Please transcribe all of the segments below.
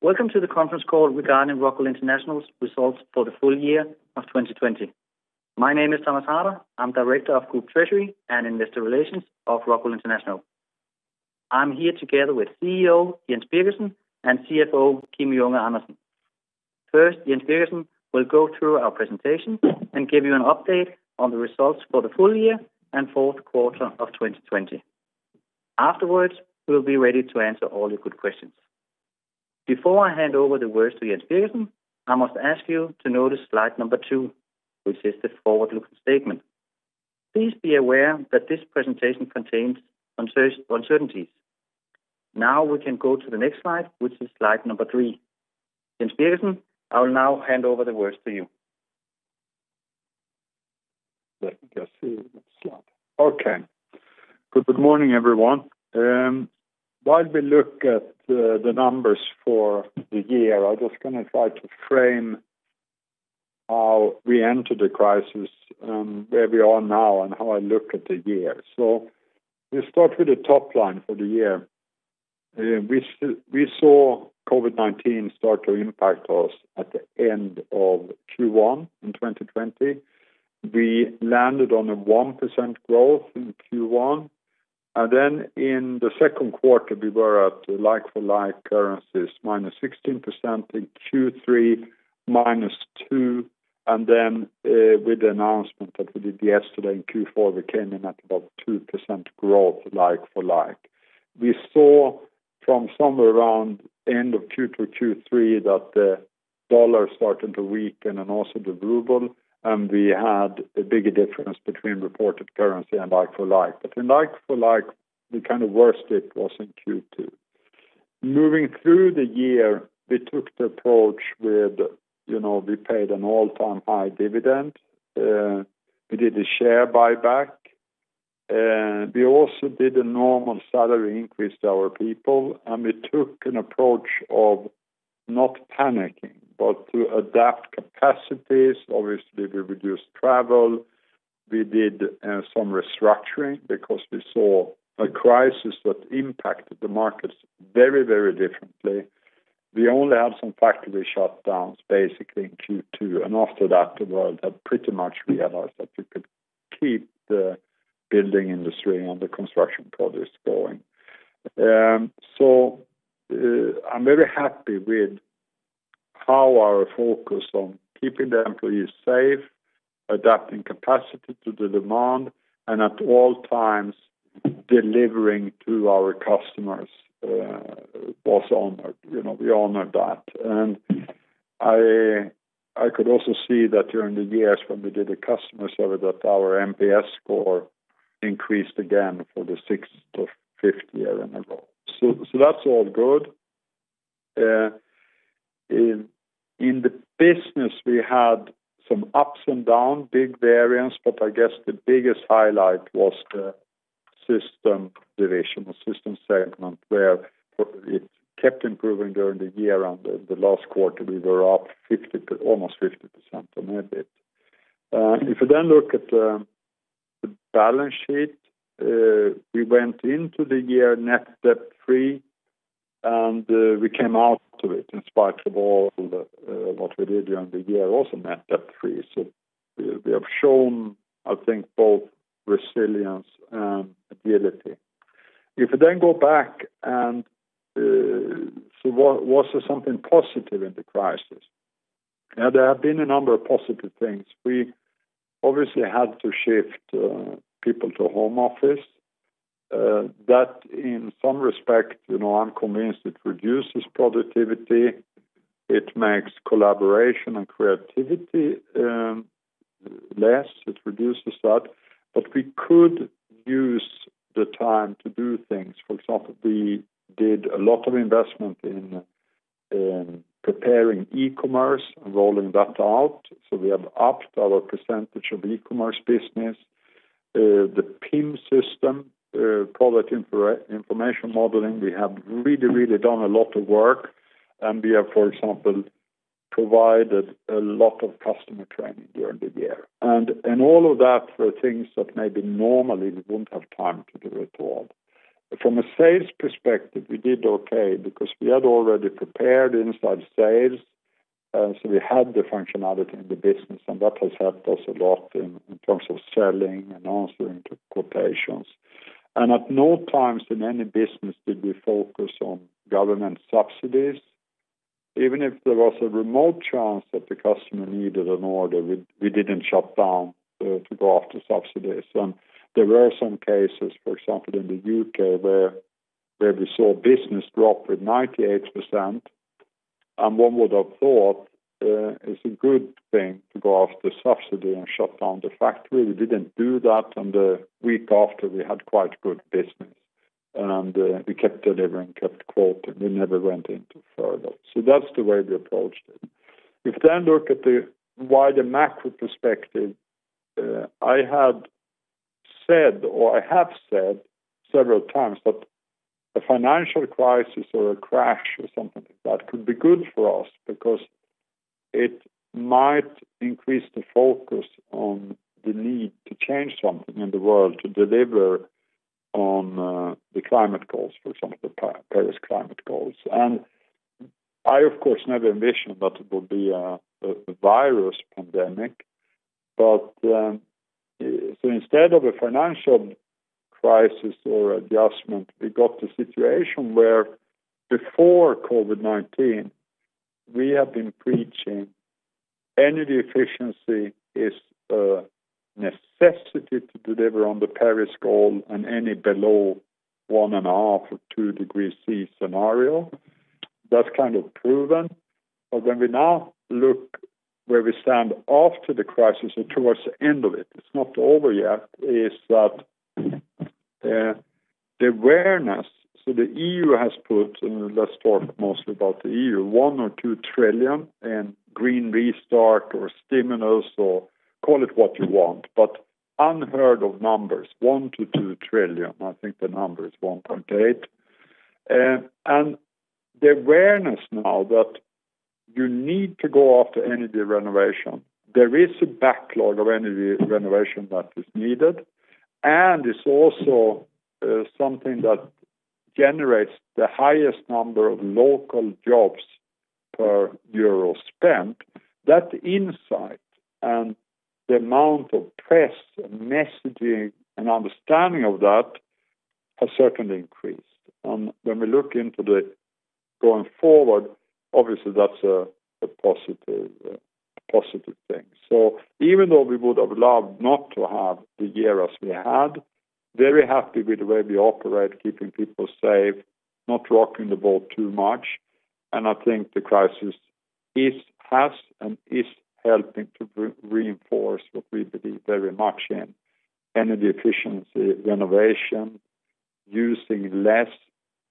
Welcome to the conference call regarding Rockwool International's Results for the Full Year of 2020. My name is Thomas Harder. I'm Director of Group Treasury and Investor Relations of Rockwool International. I'm here together with CEO, Jens Birgersson, and CFO, Kim Junge Andersen. Jens Birgersson will go through our presentation and give you an update on the results for the full year and fourth quarter of 2020. Afterwards, we'll be ready to answer all your good questions. Before I hand over the words to Jens Birgersson, I must ask you to notice slide number two, which is the forward-looking statement. Please be aware that this presentation contains uncertainties. We can go to the next slide, which is slide number three. Jens Birgersson, I will now hand over the words to you. Let me just see that slide. Okay. Good morning, everyone. While we look at the numbers for the year, I'm just going to try to frame how we entered the crisis, where we are now, and how I look at the year. We start with the top line for the year. We saw COVID-19 start to impact us at the end of Q1 in 2020. We landed on a 1% growth in Q1, and then in the second quarter, we were at like-for-like currencies -16%, in Q3, -2%, and then with the announcement that we did yesterday in Q4, we came in at about 2% growth like-for-like. We saw from somewhere around end of Q2, Q3 that the dollar started to weaken and also the ruble, and we had a bigger difference between reported currency and like-for-like. In like-for-like, the kind of worst hit was in Q2. Moving through the year, we took the approach with, we paid an all-time high dividend. We did a share buyback. We also did a normal salary increase to our people, and we took an approach of not panicking, but to adapt capacities. Obviously, we reduced travel. We did some restructuring because we saw a crisis that impacted the markets very differently. We only had some factory shutdowns basically in Q2, and after that, there were pretty much realized that we could keep the building industry and the construction projects going. I'm very happy with how our focus on keeping the employees safe, adapting capacity to the demand, and at all times delivering to our customers was honored. We honored that. I could also see that during the years when we did a customer survey that our NPS score increased again for the sixth or fifth year in a row. That's all good. In the business, we had some ups and downs, big variance, but I guess the biggest highlight was the system division, the system segment, where it kept improving during the year and the last quarter, we were up almost 50% on EBIT. If you then look at the balance sheet, we went into the year net debt-free, and we came out to it in spite of all that what we did during the year, also net debt-free. We have shown, I think, both resilience and agility. If you then go back, was there something positive in the crisis? There have been a number of positive things. We obviously had to shift people to home office. That in some respect, I'm convinced it reduces productivity. It makes collaboration and creativity less. It reduces that. We could use the time to do things. For example, we did a lot of investment in preparing e-commerce and rolling that out. We have upped our percentage of e-commerce business. The PIM system, Product Information Management system, we have really done a lot of work, and we have, for example, provided a lot of customer training during the year. All of that were things that maybe normally we wouldn't have time to devote to all. From a sales perspective, we did okay because we had already prepared inside sales. We had the functionality in the business, and that has helped us a lot in terms of selling and answering to quotations. At no times in any business did we focus on government subsidies. Even if there was a remote chance that the customer needed an order, we didn't shut down to go after subsidies. There were some cases, for example, in the U.K., where we saw business drop with 98%, and one would have thought it's a good thing to go after subsidy and shut down the factory. We didn't do that, and the week after, we had quite good business, and we kept delivering, kept quoting. We never went into furlough. That's the way we approached it. If you look at the wider macro perspective, I had said, or I have said several times that a financial crisis or a crash or something like that could be good for us because it might increase the focus on the need to change something in the world to deliver on the climate goals, for example, the Paris climate goals. I, of course, never envisioned that it would be a virus pandemic. Instead of a financial crisis or adjustment, we got the situation where before COVID-19, we have been preaching energy efficiency is a necessity to deliver on the Paris goal and any below one and a half or two degrees C scenario. That's kind of proven. When we now look where we stand after the crisis and towards the end of it's not over yet, is that the awareness. The EU has put, and let’s talk mostly about the EU, one or two trillion in green restart or stimulus or call it what you want, but unheard of numbers, one to two trillion. I think the number is 1.8. The awareness now that you need to go after energy renovation, there is a backlog of energy renovation that is needed, and it is also something that generates the highest number of local jobs per EUR spent. That insight and the amount of press, and messaging, and understanding of that has certainly increased. When we look into going forward, obviously, that is a positive thing. Even though we would have loved not to have the year as we had, very happy with the way we operate, keeping people safe, not rocking the boat too much. I think the crisis has, and is helping to reinforce what we believe very much in, energy efficiency, renovation, using less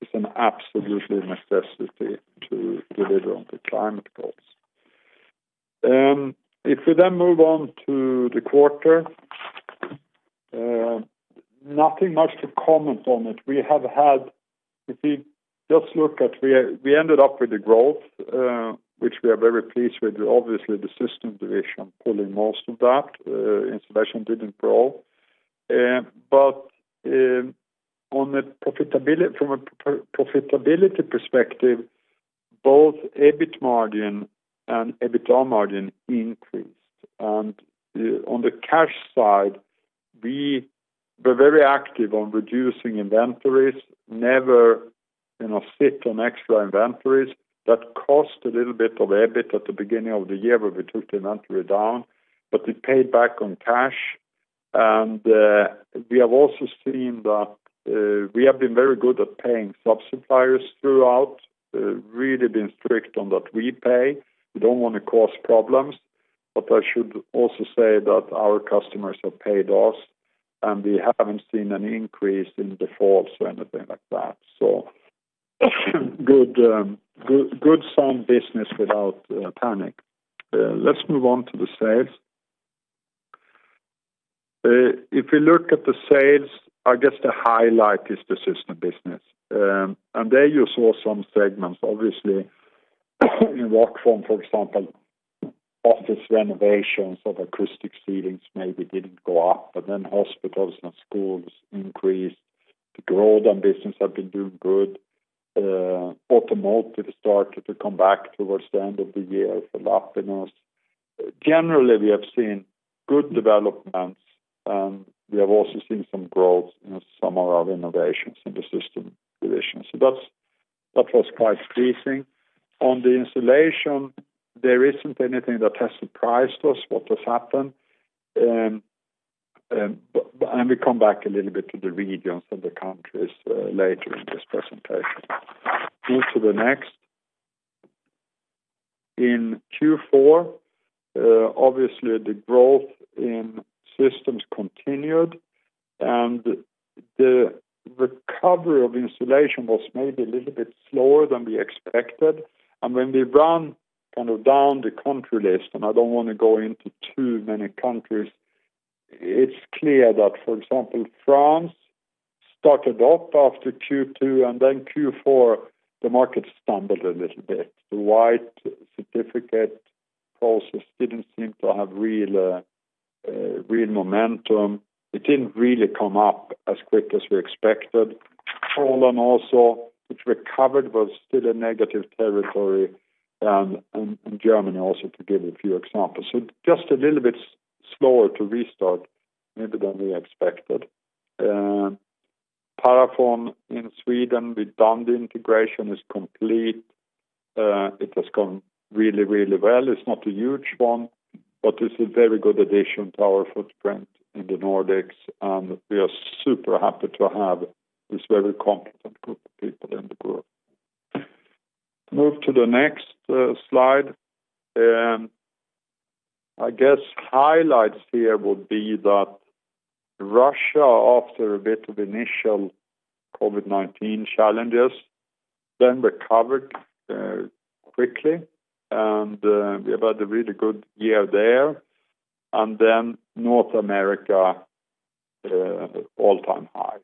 is an absolute necessity to deliver on the climate goals. If we move on to the quarter, nothing much to comment on it. If you just look at, we ended up with a growth, which we are very pleased with. Obviously, the Systems division pulling most of that. Insulation didn't grow. From a profitability perspective, both EBIT margin and EBITDA margin increased. On the cash side, we were very active on reducing inventories, never sit on extra inventories. That cost a little bit of EBIT at the beginning of the year where we took the inventory down, but it paid back on cash. We have also seen that we have been very good at paying sub-suppliers throughout, really been strict on that. I should also say that our customers have paid us, and we haven't seen an increase in defaults or anything like that. Good sound business without panic. Let's move on to the sales. If we look at the sales, I guess the highlight is the System business. There you saw some segments, obviously, in Rockwool, for example, office renovations of acoustic ceilings maybe didn't go up, but then hospitals and schools increased. The growth on Business have been doing good. Automotive started to come back towards the end of the year for Lapinus. Generally, we have seen good developments, and we have also seen some growth in some of our innovations in the System division. That was quite pleasing. On the Insulation, there isn't anything that has surprised us what has happened. We come back a little bit to the regions and the countries later in this presentation. Move to the next. In Q4, obviously the growth in Systems continued, and the recovery of Insulation was maybe a little bit slower than we expected. When we run down the country list, and I don't want to go into too many countries, it's clear that, for example, France started off after Q2, and then Q4, the market stumbled a little bit. The white certificate process didn't seem to have real momentum. It didn't really come up as quick as we expected. Poland also, which recovered, was still in negative territory, and Germany also to give a few examples. Just a little bit slower to restart maybe than we expected. Parafon in Sweden, we've done the integration is complete. It has gone really, really well. It's not a huge one, but it's a very good addition to our footprint in the Nordics, and we are super happy to have this very competent group of people in the group. Move to the next slide. Highlights here would be that Russia, after a bit of initial COVID-19 challenges, recovered quickly, and we have had a really good year there. North America. All-time high.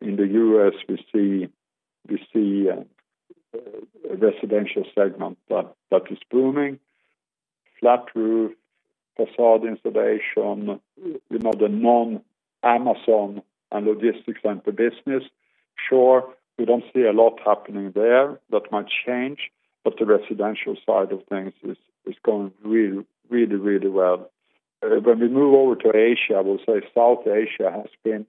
In the U.S., we see a residential segment that is booming. flat roof, facade installation, the non-Amazon and logistics center business. Sure, we don't see a lot happening there. That might change, the residential side of things is going really well. We'll say South Asia has been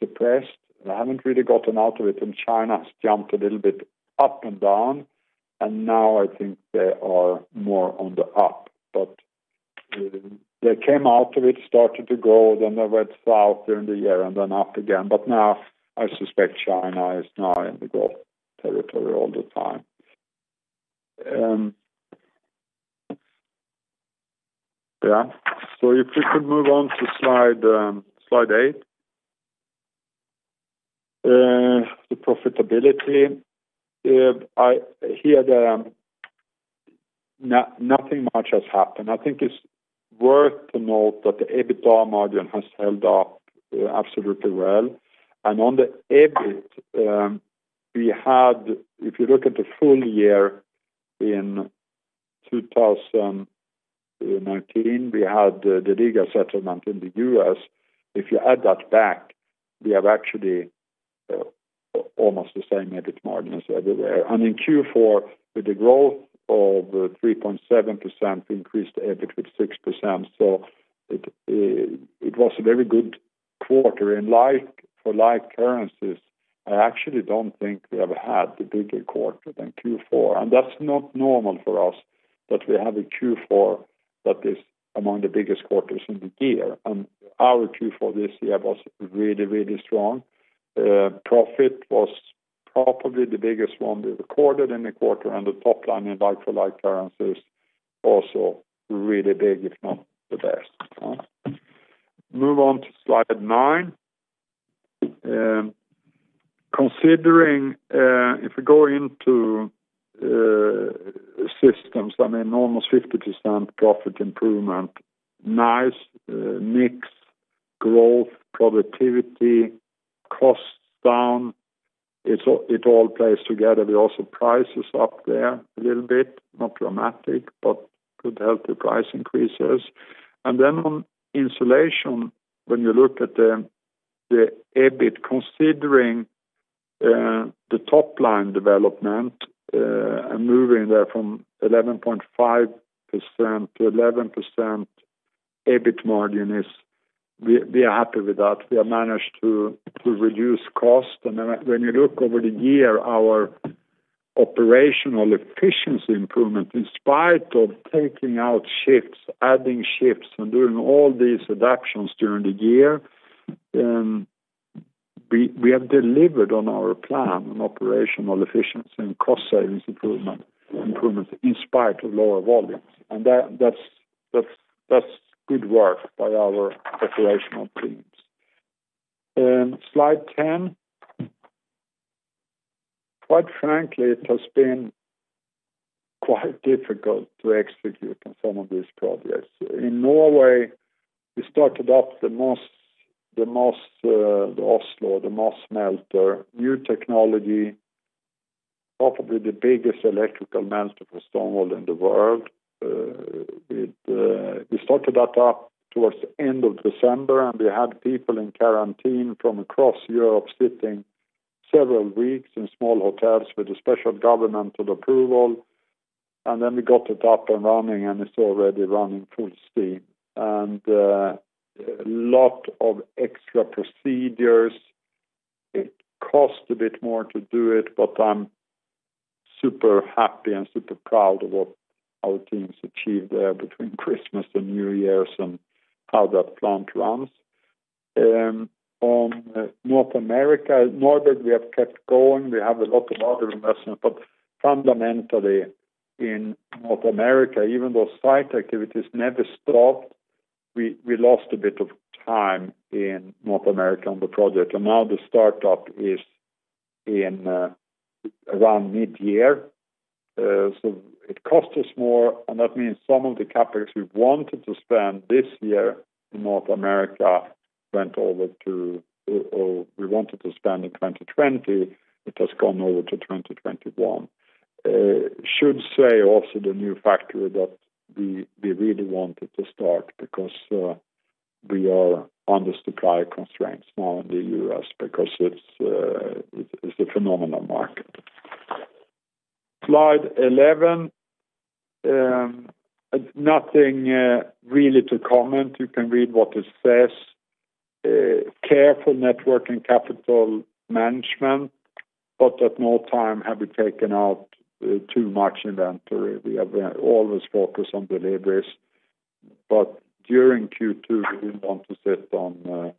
suppressed and haven't really gotten out of it, and China's jumped a little bit up and down, and now I think they are more on the up. They came out of it, started to grow, then they went south during the year and then up again. Now I suspect China is now in the growth territory all the time. If we could move on to slide eight. The profitability. Here nothing much has happened. I think it's worth to note that the EBITDA margin has held up absolutely well. On the EBIT, if you look at the full year in 2019, we had the legal settlement in the U.S. If you add that back, we have actually almost the same EBIT margin as everywhere. In Q4, with the growth of 3.7%, we increased EBIT with 6%. It was a very good quarter. Like for like currencies, I actually don't think we ever had a bigger quarter than Q4, and that's not normal for us that we have a Q4 that is among the biggest quarters in the year. Our Q4 this year was really strong. Profit was probably the biggest one we recorded in the quarter, and the top line in like-for-like currency is also really big, if not the best. Move on to slide nine. Considering if we go into systems, almost 50% profit improvement, nice mix, growth, productivity, costs down. It all plays together. We also price is up there a little bit. Not dramatic, but could help the price increases. On insulation, when you look at the EBIT considering the top-line development, and moving there from 11.5% to 11% EBIT margin is we are happy with that. We have managed to reduce cost. When you look over the year, our operational efficiency improvement, in spite of taking out shifts, adding shifts, and doing all these reductions during the year, we have delivered on our plan on operational efficiency and cost savings improvements in spite of lower volumes. That's good work by our operational teams. Slide 10. Quite frankly, it has been quite difficult to execute on some of these projects. In Norway, we started up the Oslo, the Moss smelter, new technology, probably the biggest electrical smelter for stone wool in the world. We started that up towards the end of December, and we had people in quarantine from across Europe sitting several weeks in small hotels with a special governmental approval. Then we got it up and running, and it is already running full steam. A lot of extra procedures. It cost a bit more to do it, but I am super happy and super proud of what our teams achieved there between Christmas and New Year's and how that plant runs. On North America, Neuburg we have kept going. We have a lot of other investments, but fundamentally, in North America, even though site activities never stopped, we lost a bit of time in North America on the project. Now the start-up is in around mid-year. It cost us more, and that means some of the CapEx we wanted to spend this year in North America went over to, or we wanted to spend in 2020, it has gone over to 2021. Should say also the new factory that we really wanted to start because we are under supply constraints now in the U.S. because it's a phenomenal market. Slide 11. Nothing really to comment. You can read what it says. Careful net working capital management, but at no time have we taken out too much inventory. We have always focused on deliveries. During Q2, we didn't want to sit on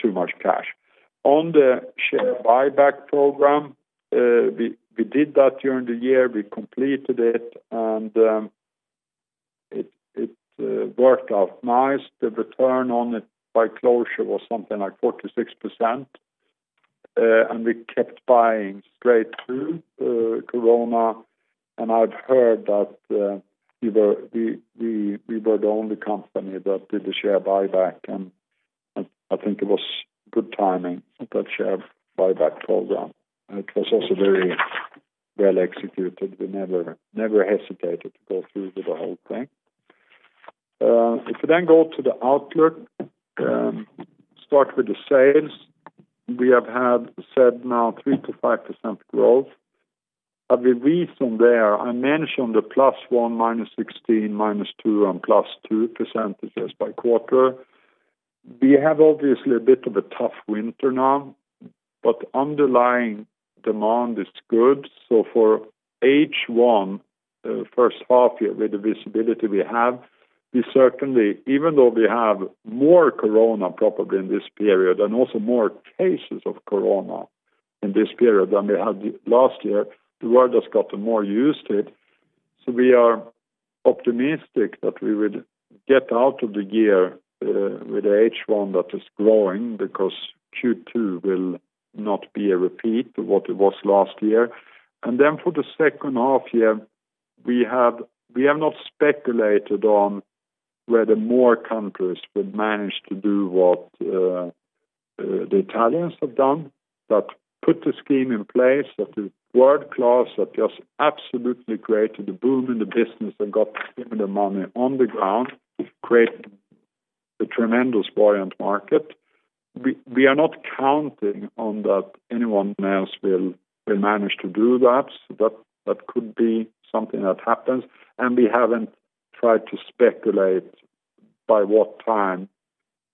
too much cash. On the share buyback program, we did that during the year. We completed it, and it worked out nice. The return on it by closure was something like 46%. We kept buying straight through COVID. I've heard that we were the only company that did the share buyback, and I think it was good timing, that share buyback program. It was also very well-executed. We never hesitated to go through with the whole thing. We then go to the outlook, start with the sales. We have had said now 3% to 5% growth. The reason there, I mentioned the +1, -16, -2, and +2% is just by quarter. We have obviously a bit of a tough winter now, but underlying demand is good. For H1, the first half year, with the visibility we have, even though we have more COVID probably in this period and also more cases of COVID in this period than we had last year, the world has gotten more used to it. We are optimistic that we would get out of the year with H1 that is growing because Q2 will not be a repeat of what it was last year. For the second half year, we have not speculated on whether more countries would manage to do what the Italians have done, that put the scheme in place, that the world class, that just absolutely created a boom in the business and got similar money on the ground, created a tremendous buoyant market. We are not counting on that anyone else will manage to do that, but that could be something that happens. We haven't tried to speculate by what time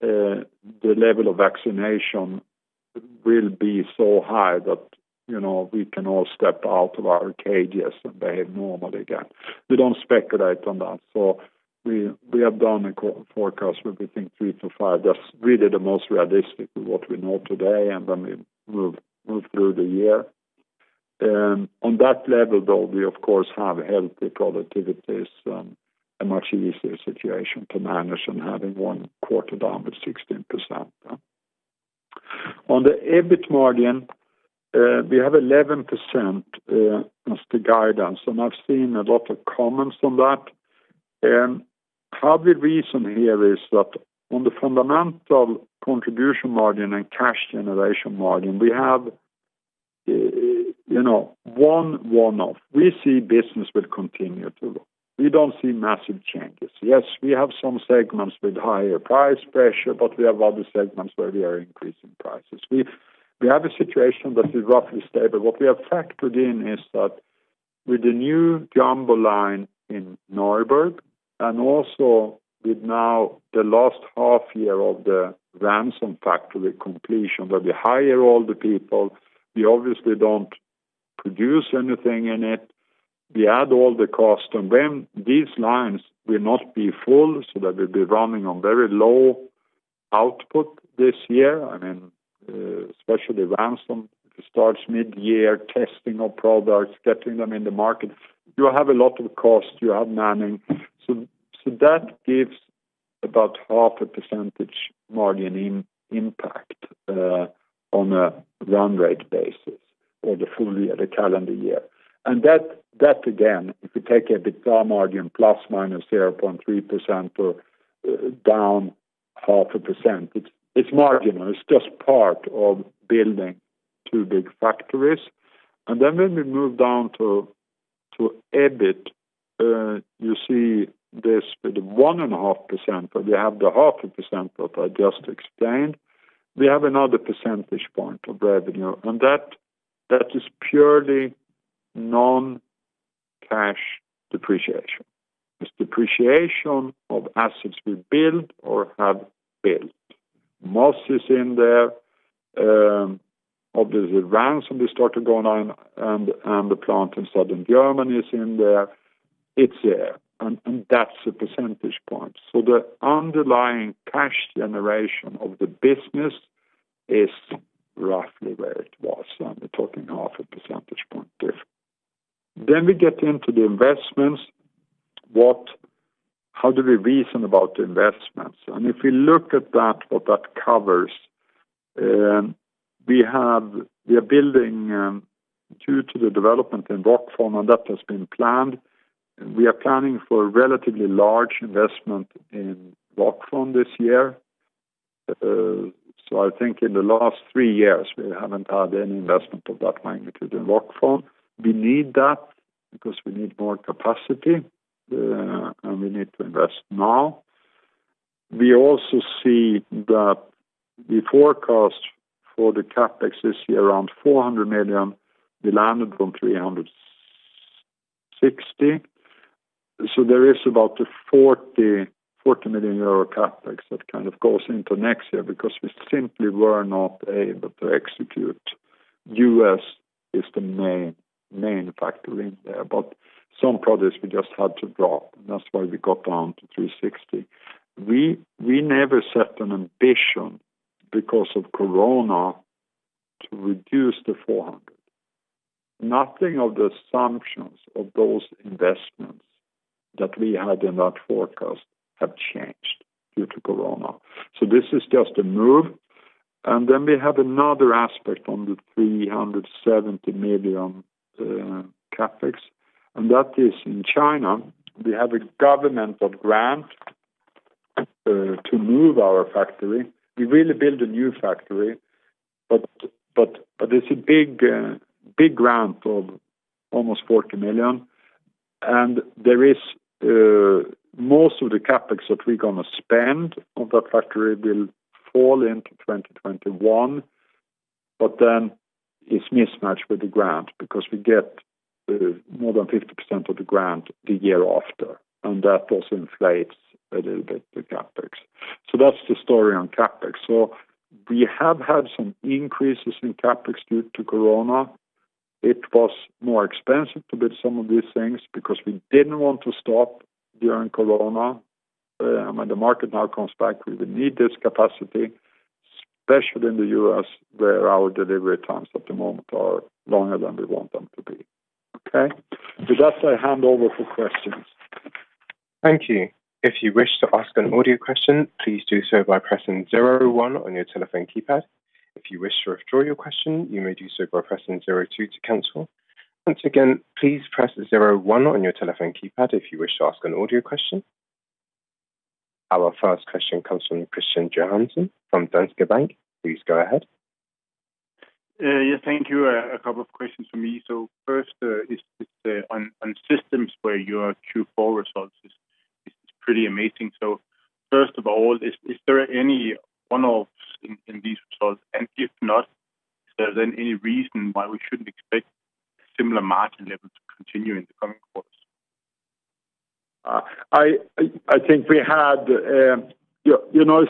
the level of vaccination will be so high that we can all step out of our cages and behave normally again. We don't speculate on that. We have done a forecast where we think 3%-5% that's really the most realistic with what we know today, and then we'll move through the year. On that level, though, we of course have healthy productivities, a much easier situation to manage than having one quarter down by 16%. On the EBIT margin, we have 11% as the guidance, and I've seen a lot of comments on that. How we reason here is that on the fundamental contribution margin and cash generation margin, we have one one-off. We see business will continue to grow. We don't see massive changes. Yes, we have some segments with higher price pressure, but we have other segments where we are increasing prices. We have a situation that is roughly stable. What we have factored in is that with the new jumbo line in Norberg and also with now the last half year of the Ranson factory completion, that we hire all the people, we obviously don't produce anything in it. We add all the cost, these lines will not be full, we'll be running on very low output this year. Especially Ranson, which starts mid-year, testing of products, getting them in the market. You have a lot of cost, you have manning. That gives about half a percentage margin impact on a run rate basis for the full year, the calendar year. That again, if you take EBITDA margin ±0.3% or down half a %, it's marginal. It's just part of building two big factories. When we move down to EBIT, you see this with 1.5%. We have the 0.5% that I just explained. We have another percentage point of revenue, that is purely non-cash depreciation. It's depreciation of assets we build or have built. Moss is in there, obviously Ranson we started going on, the plant in Southern Germany is in there. It's there, that's a percentage point. The underlying cash generation of the business is roughly where it was. We're talking half a percentage point diff. We get into the investments. How do we reason about the investments? If we look at that, what that covers, we are building due to the development in Rockfon, that has been planned. We are planning for a relatively large investment in Rockfon this year. I think in the last three years, we haven't had any investment of that magnitude in Rockfon. We need that because we need more capacity, and we need to invest now. We also see that the forecast for the CapEx this year, around 400 million, we landed on 360 million. There is about a 40 million euro CapEx that kind of goes into next year because we simply were not able to execute. U.S. is the main factory there, but some products we just had to drop. That's why we got down to 360 million. We never set an ambition because of COVID to reduce the 400 million. Nothing of the assumptions of those investments that we had in that forecast have changed due to COVID. This is just a move. We have another aspect on the 370 million CapEx, and that is in China, we have a government grant to move our factory. We will build a new factory, but it is a big grant of almost 40 million. Most of the CapEx that we are going to spend on that factory will fall into 2021, but then it is mismatched with the grant because we get more than 50% of the grant the year after, and that also inflates a little bit the CapEx. That is the story on CapEx. We have had some increases in CapEx due to COVID. It was more expensive to build some of these things because we did not want to stop during COVID. The market now comes back, we will need this capacity, especially in the U.S., where our delivery times at the moment are longer than we want them to be. Okay? With that, I hand over for questions. Our first question comes from Christian Johansen from Danske Bank. Please go ahead. Yeah. Thank you. A couple of questions from me. First, on systems where your Q4 results is pretty amazing. First of all, is there any one-offs in these results? If not, is there then any reason why we shouldn't expect similar margin levels to continue in the coming quarters? I think it's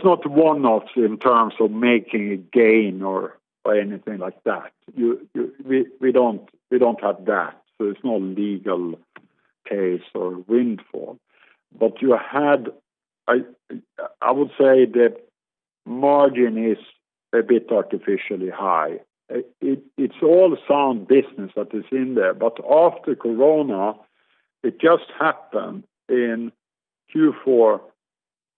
not one-off in terms of making a gain or anything like that. We don't have that, so it's no legal case or windfall. I would say the margin is a bit artificially high. It's all sound business that is in there. After COVID, it just happened in Q4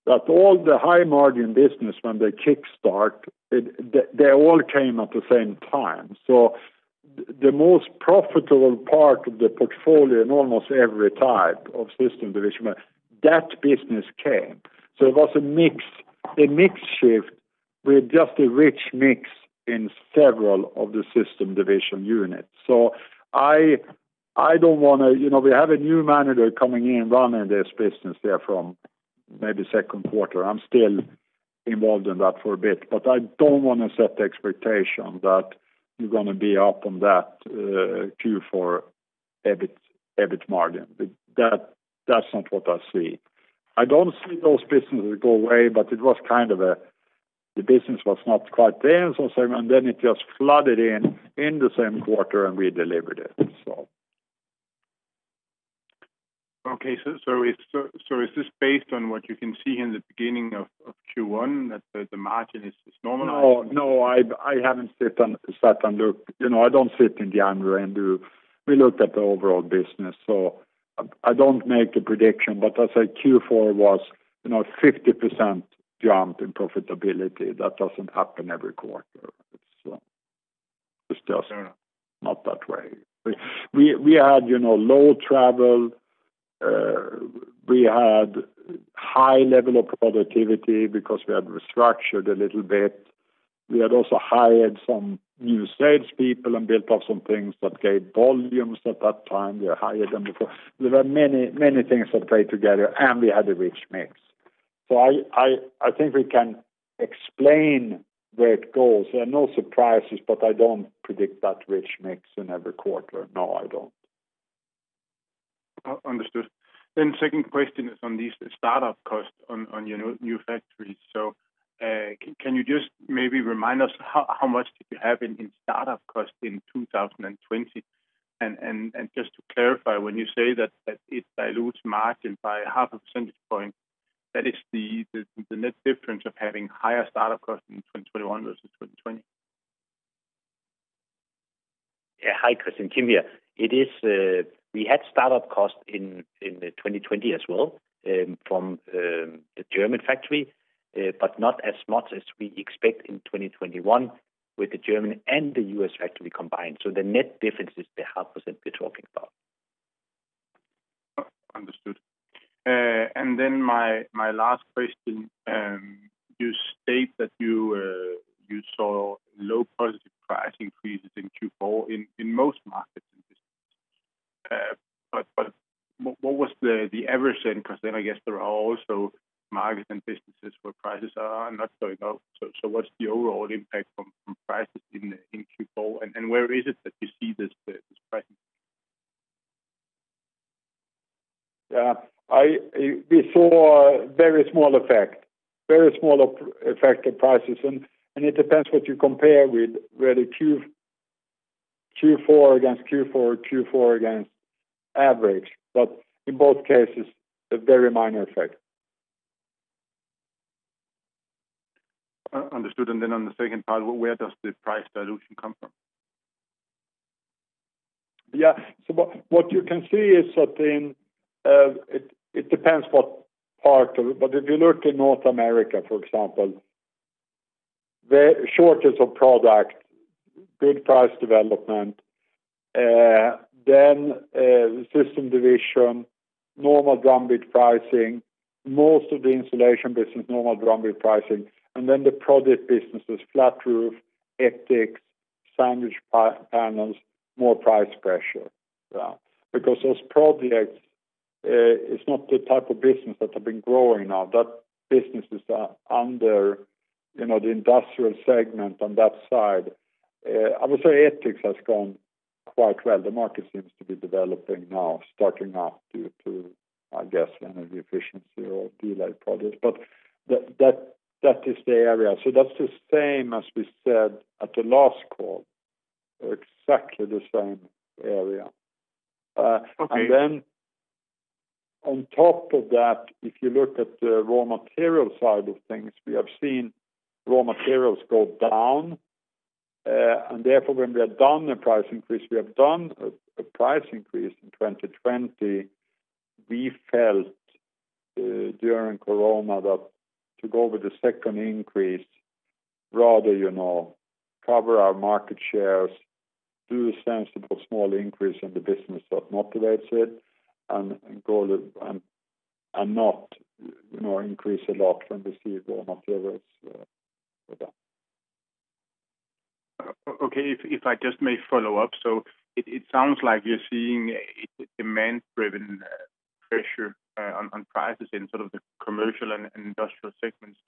that all the high-margin business, when they kickstart, they all came at the same time. The most profitable part of the portfolio in almost every type of system division, that business came. It was a mix shift with just a rich mix in several of the system division units. We have a new manager coming in running this business there from maybe second quarter. I'm still involved in that for a bit, but I don't want to set the expectation that you're going to be up on that Q4 EBIT margin. That's not what I see. I don't see those businesses go away, but the business was not quite there, and then it just flooded in the same quarter and we delivered it. Okay, is this based on what you can see in the beginning of Q1 that the margin is normalized? No, I haven't sat and looked. I don't sit in the annual review. We looked at the overall business, so I don't make a prediction, but as I say, Q4 was 50% jump in profitability. That doesn't happen every quarter. Fair enough. Not that way. We had low travel, we had high level of productivity because we had restructured a little bit. We had also hired some new salespeople and built up some things that gave volumes at that time. We hired them before. There were many things that played together, and we had a rich mix. I think we can explain where it goes. There are no surprises, but I don't predict that rich mix in every quarter. No, I don't. Understood. Second question is on these startup costs on your new factories. Can you just maybe remind us how much did you have in startup cost in 2020? Just to clarify, when you say that it dilutes margin by half a percentage point, that is the net difference of having higher startup cost in 2021 versus 2020? Yeah. Hi, Christian. Kim here. We had startup cost in 2020 as well from the German factory. Not as much as we expect in 2021 with the German and the U.S. factory combined. The net difference is the half % we're talking about. Understood. My last question, you state that you saw low positive price increases in Q4 in most markets and businesses. What was the average then? I guess there are also markets and businesses where prices are not going up. What's the overall impact from prices in Q4, and where is it that you see this pricing? We saw a very small effect of prices. It depends what you compare with, whether Q4 against Q4, or Q4 against average. In both cases, a very minor effect. Understood. On the second part, where does the price dilution come from? Yeah. What you can see is that it depends what part of it, but if you look to North America, for example, very shortage of product, good price development. Then the system division, normal drum beat pricing, most of the installation business, normal drum beat pricing. The project businesses, flat roof, ETICS, sandwich panels, more price pressure. Those projects, it's not the type of business that have been growing now. That business is under the industrial segment on that side. I would say ETICS has gone quite well. The market seems to be developing now, starting up due to, I guess, energy efficiency or delayed projects. That is the area. That's the same as we said at the last call, exactly the same area. Okay. On top of that, if you look at the raw material side of things, we have seen raw materials go down, and therefore, when we have done a price increase, we have done a price increase in 2020. We felt during COVID that to go with the second increase, rather cover our market shares, do the sensible small increase in the business that motivates it, and not increase a lot when we see the raw materials were down. Okay. If I just may follow up, it sounds like you're seeing a demand-driven pressure on prices in sort of the commercial and industrial segments.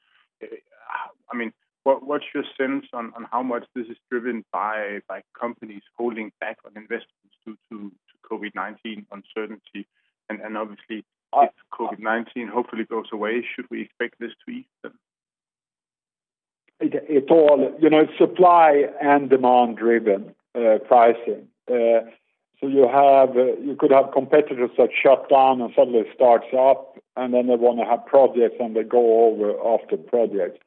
What's your sense on how much this is driven by companies holding back on investments due to COVID-19 uncertainty? Obviously, if COVID-19 hopefully goes away, should we expect this to ease then? It's supply and demand driven pricing. You could have competitors that shut down and suddenly starts up, and then they want to have projects, and they go over after projects.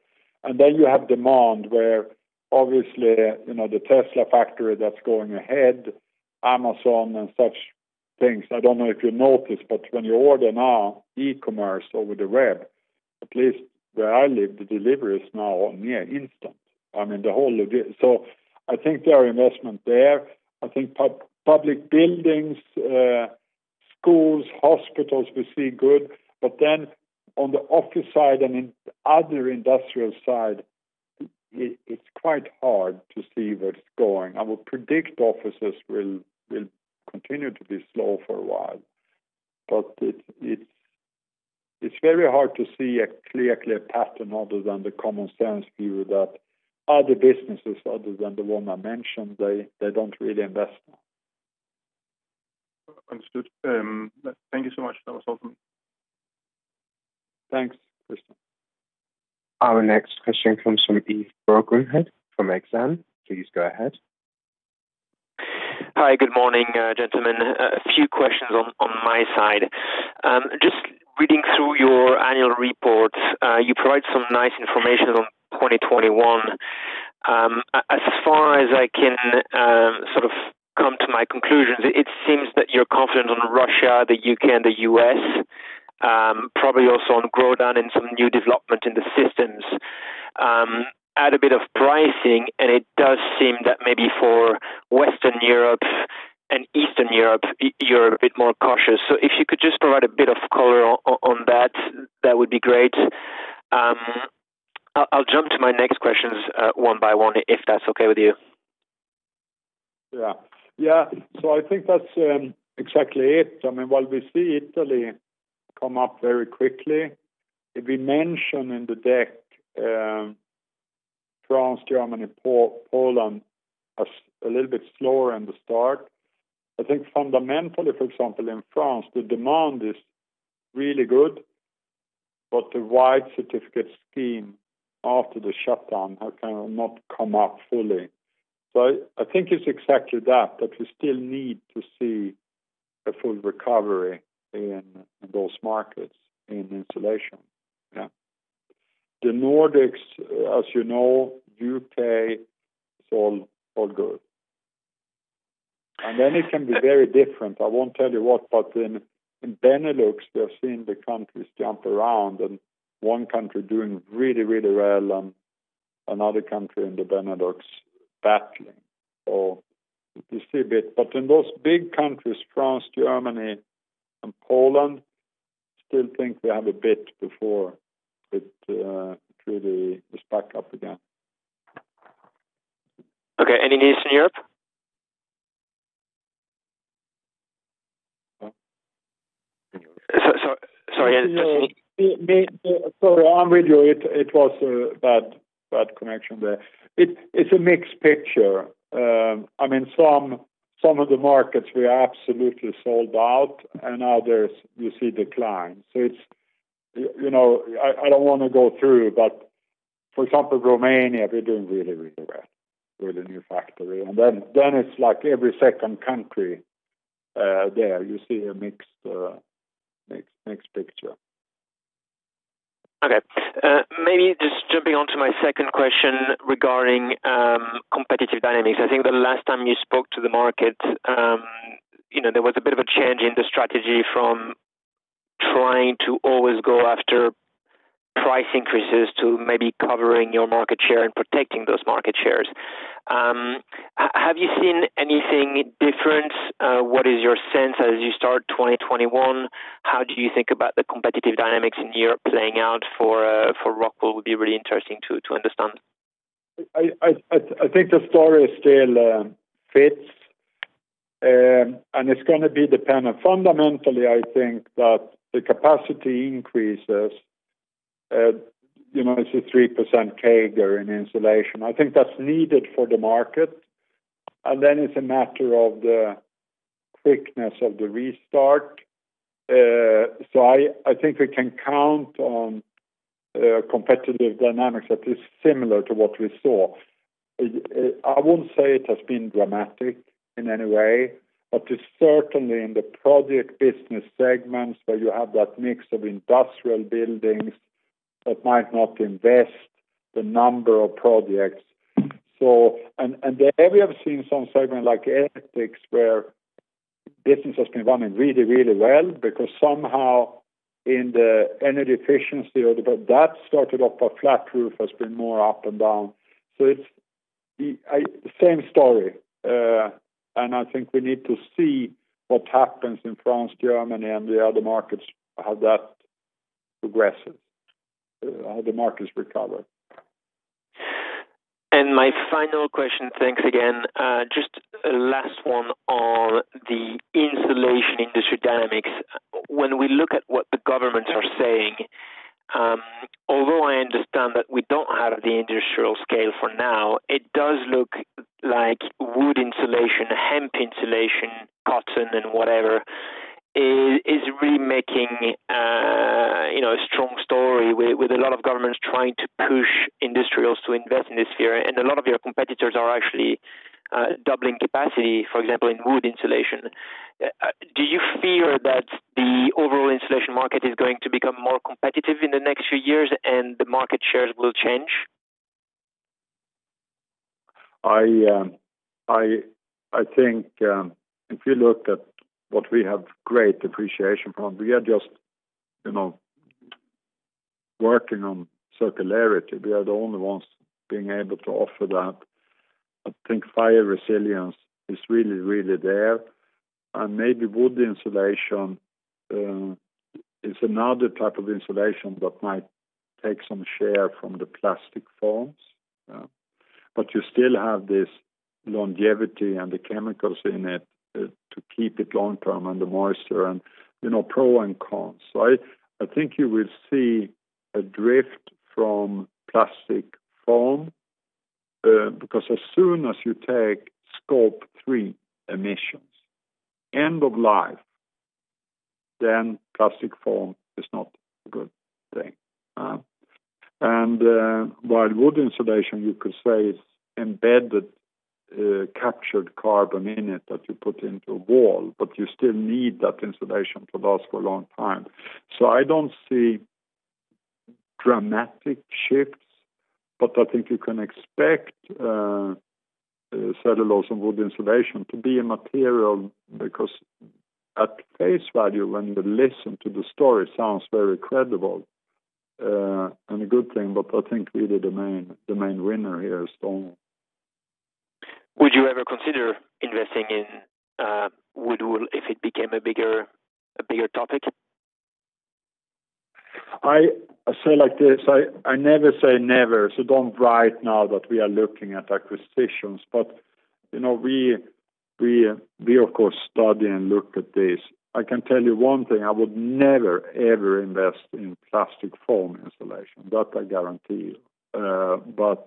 You have demand where obviously, the Tesla factory that's going ahead, Amazon and such things. I don't know if you noticed, but when you order now e-commerce over the web, at least where I live, the delivery is now near instant. I mean, the whole of it. I think there are investment there. I think public buildings, schools, hospitals, we see good, but then on the office side and in other industrial side, it's quite hard to see where it's going. I would predict offices will continue to be slow for a while. It's very hard to see a clear pattern other than the common sense view that other businesses other than the one I mentioned, they don't really invest now. Understood. Thank you so much. That was helpful. Thanks, Christian. Our next question comes from Yves Bromehead from Exane. Please go ahead. Hi. Good morning, gentlemen. A few questions on my side. Just reading through your annual report, you provide some nice information on 2021. As far as I can sort of come to my conclusions, it seems that you're confident on Russia, the U.K., and the U.S., probably also on growth and some new development in the systems. Add a bit of pricing, it does seem that maybe for Western Europe and Eastern Europe, you're a bit more cautious. If you could just provide a bit of color on that would be great. I'll jump to my next questions one by one, if that's okay with you. I think that's exactly it. While we see Italy come up very quickly, we mention in the deck France, Germany, Poland as a little bit slower in the start. Fundamentally, for example, in France, the demand is really good, but the white certificate scheme after the shutdown has kind of not come up fully. I think it's exactly that we still need to see a full recovery in those markets in insulation. The Nordics, as you know, U.K., it's all good. It can be very different. I won't tell you what, in Benelux, we are seeing the countries jump around and one country doing really, really well and another country in the Benelux battling. You see a bit. In those big countries, France, Germany, and Poland, still think we have a bit before it really is back up again. Okay. Any news in Europe? Huh? Sorry. Sorry, I'm with you. It was a bad connection there. It's a mixed picture. I mean, some of the markets we are absolutely sold out, and others you see decline. I don't want to go through, but for example, Romania, we're doing really, really well with the new factory. It's like every second country. There you see a mixed picture. Maybe just jumping on to my second question regarding competitive dynamics. I think the last time you spoke to the market, there was a bit of a change in the strategy from trying to always go after price increases to maybe covering your market share and protecting those market shares. Have you seen anything different? What is your sense as you start 2021? How do you think about the competitive dynamics in Europe playing out for Rockwool? Would be really interesting to understand. I think the story still fits. It's going to be dependent. Fundamentally, I think that the capacity increases, it's a 3% CAGR in insulation. I think that's needed for the market. It's a matter of the quickness of the restart. I think we can count on competitive dynamics that is similar to what we saw. I wouldn't say it has been dramatic in any way, but certainly in the project business segments where you have that mix of industrial buildings that might not invest the number of projects. There we have seen some segments like ETICS, where business has been running really, really well because somehow in the energy efficiency order, but that started off a flat roof, has been more up and down. It's same story, and I think we need to see what happens in France, Germany, and the other markets, how that progresses, how the markets recover. My final question. Thanks again. Just last one on the insulation industry dynamics. When we look at what the governments are saying, although I understand that we don't have the industrial scale for now, it does look like wood insulation, hemp insulation, cotton, and whatever is really making a strong story with a lot of governments trying to push industrials to invest in this sphere. A lot of your competitors are actually doubling capacity, for example, in wood insulation. Do you fear that the overall insulation market is going to become more competitive in the next few years, and the market shares will change? I think, if you look at what we have great appreciation from, we are just working on circularity. We are the only ones being able to offer that. I think fire resilience is really there. Maybe wood insulation is another type of insulation that might take some share from the plastic foams. You still have this longevity and the chemicals in it to keep it long-term, and the moisture, and pro and cons. I think you will see a drift from plastic foam, because as soon as you take Scope 3 emissions, end of life, then plastic foam is not a good thing. While wood insulation, you could say, is embedded captured carbon in it that you put into a wall, but you still need that insulation to last for a long time. I don't see dramatic shifts, but I think you can expect cellulose and wood insulation to be a material because at face value, when you listen to the story, it sounds very credible and a good thing, but I think really the main winner here is stone. Would you ever consider investing in wood wool if it became a bigger topic? I say it like this, I never say never, so don't write now that we are looking at acquisitions. We, of course, study and look at this. I can tell you one thing, I would never, ever invest in plastic foam insulation. That I guarantee you. Wood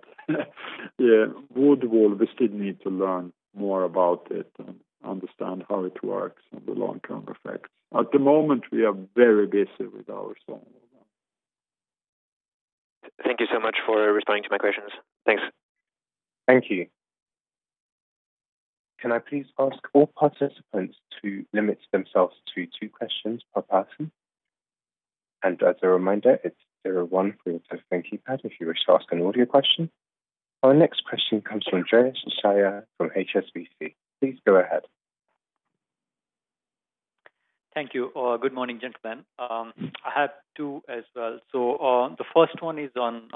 wool, we still need to learn more about it and understand how it works and the long-term effects. At the moment, we are very busy with our stone wool. Thank you so much for responding to my questions. Thanks. Thank you. Can I please ask all participants to limit themselves to two questions per person? As a reminder, it is zero one for your testing keypad if you wish to ask an audio question. Our next question comes from Brijesh Siya from HSBC. Please go ahead. Thank you. Good morning, gentlemen. I have two as well. The first one is on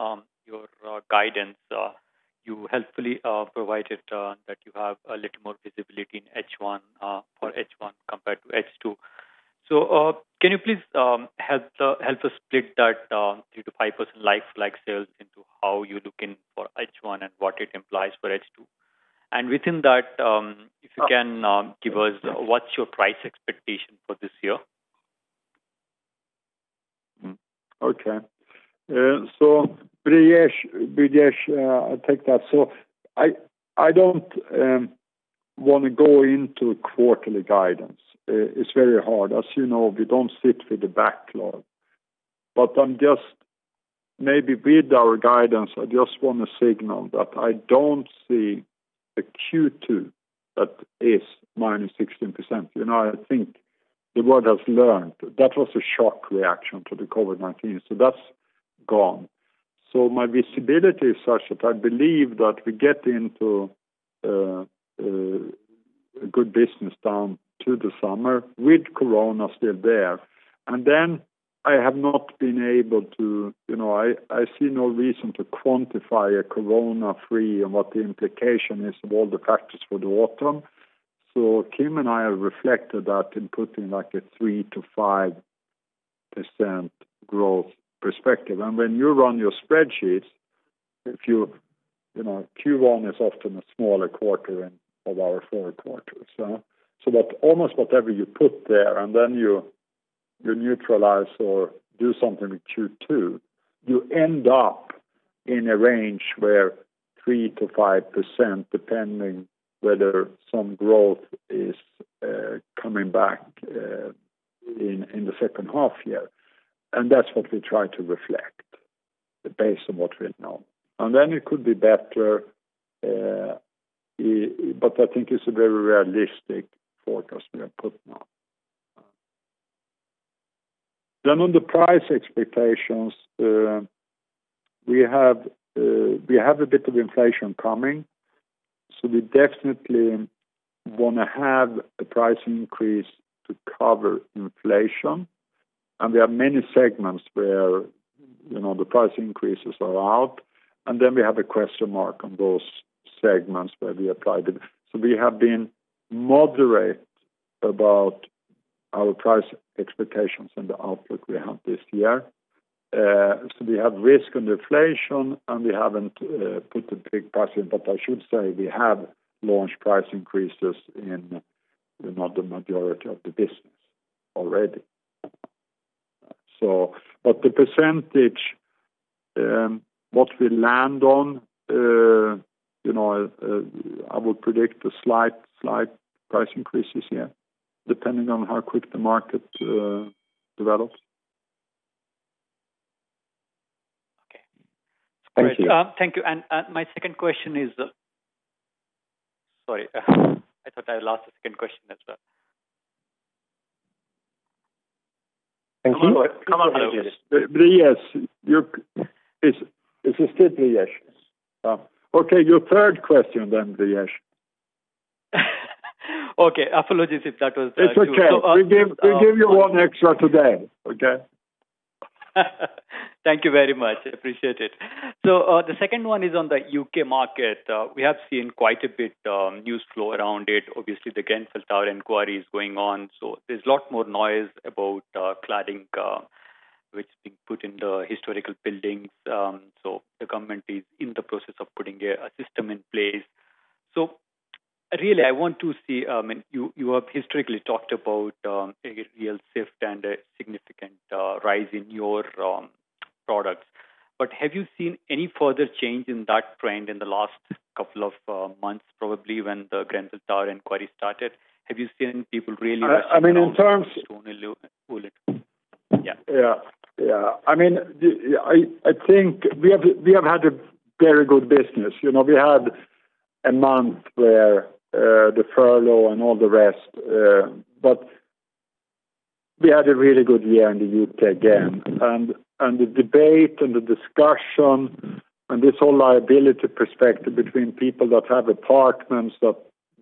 your guidance. You helpfully provided that you have a little more visibility for H1 compared to H2. Can you please help us split that 3%-5% like-for-like sales into how you're looking for H1 and what it implies for H2? Within that, if you can give us what's your price expectation for this year? Okay. Brijesh Siya, I'll take that. I don't want to go into quarterly guidance. It's very hard. As you know, we don't sit with a backlog, but I'm just, maybe with our guidance, I just want to signal that I don't see a Q2 that is -16%. I think the world has learned. That was a shock reaction to the COVID-19, so that's gone. My visibility is such that I believe that we get into a good business down to the summer with COVID still there. I see no reason to quantify a COVID-free and what the implication is of all the factors for the autumn. Kim and I have reflected that in putting like a 3%-5% growth perspective. When you run your spreadsheets, Q1 is often a smaller quarter of our four quarters. Almost whatever you put there, and then you neutralize or do something with Q2, you end up in a range where 3%-5%, depending whether some growth is coming back in the second half year. That's what we try to reflect based on what we know. It could be better, but I think it's a very realistic forecast we are putting out. On the price expectations, we have a bit of inflation coming, so we definitely want to have a price increase to cover inflation, and we have many segments where the price increases are out, and then we have a question mark on those segments where we apply them. We have been moderate about our price expectations and the outlook we have this year. We have risk and inflation, and we haven't put a big price in, but I should say we have launched price increases in the majority of the business already. The percentage, what we land on, I would predict a slight price increases here, depending on how quick the market develops. Okay. Thank you. Thank you. My second question is Sorry, I thought I lost the second question as well. Yes. Is it still Brijesh? Okay, your third question then, Dries. Okay. Apologies. It's okay. We give you one extra today. Okay? Thank you very much. I appreciate it. The second one is on the U.K. market. We have seen quite a bit news flow around it. Obviously, the Grenfell Tower inquiry is going on, so there's lot more noise about cladding which has been put in the historical buildings. The government is in the process of putting a system in place. You have historically talked about a real shift and a significant rise in your products. Have you seen any further change in that trend in the last couple of months, probably when the Grenfell Tower inquiry started? Have you seen people? I mean. Yeah. Yeah. I think we have had a very good business. We had a month where the furlough and all the rest. We had a really good year in the U.K. again. The debate and the discussion and this whole liability perspective between people that have apartments that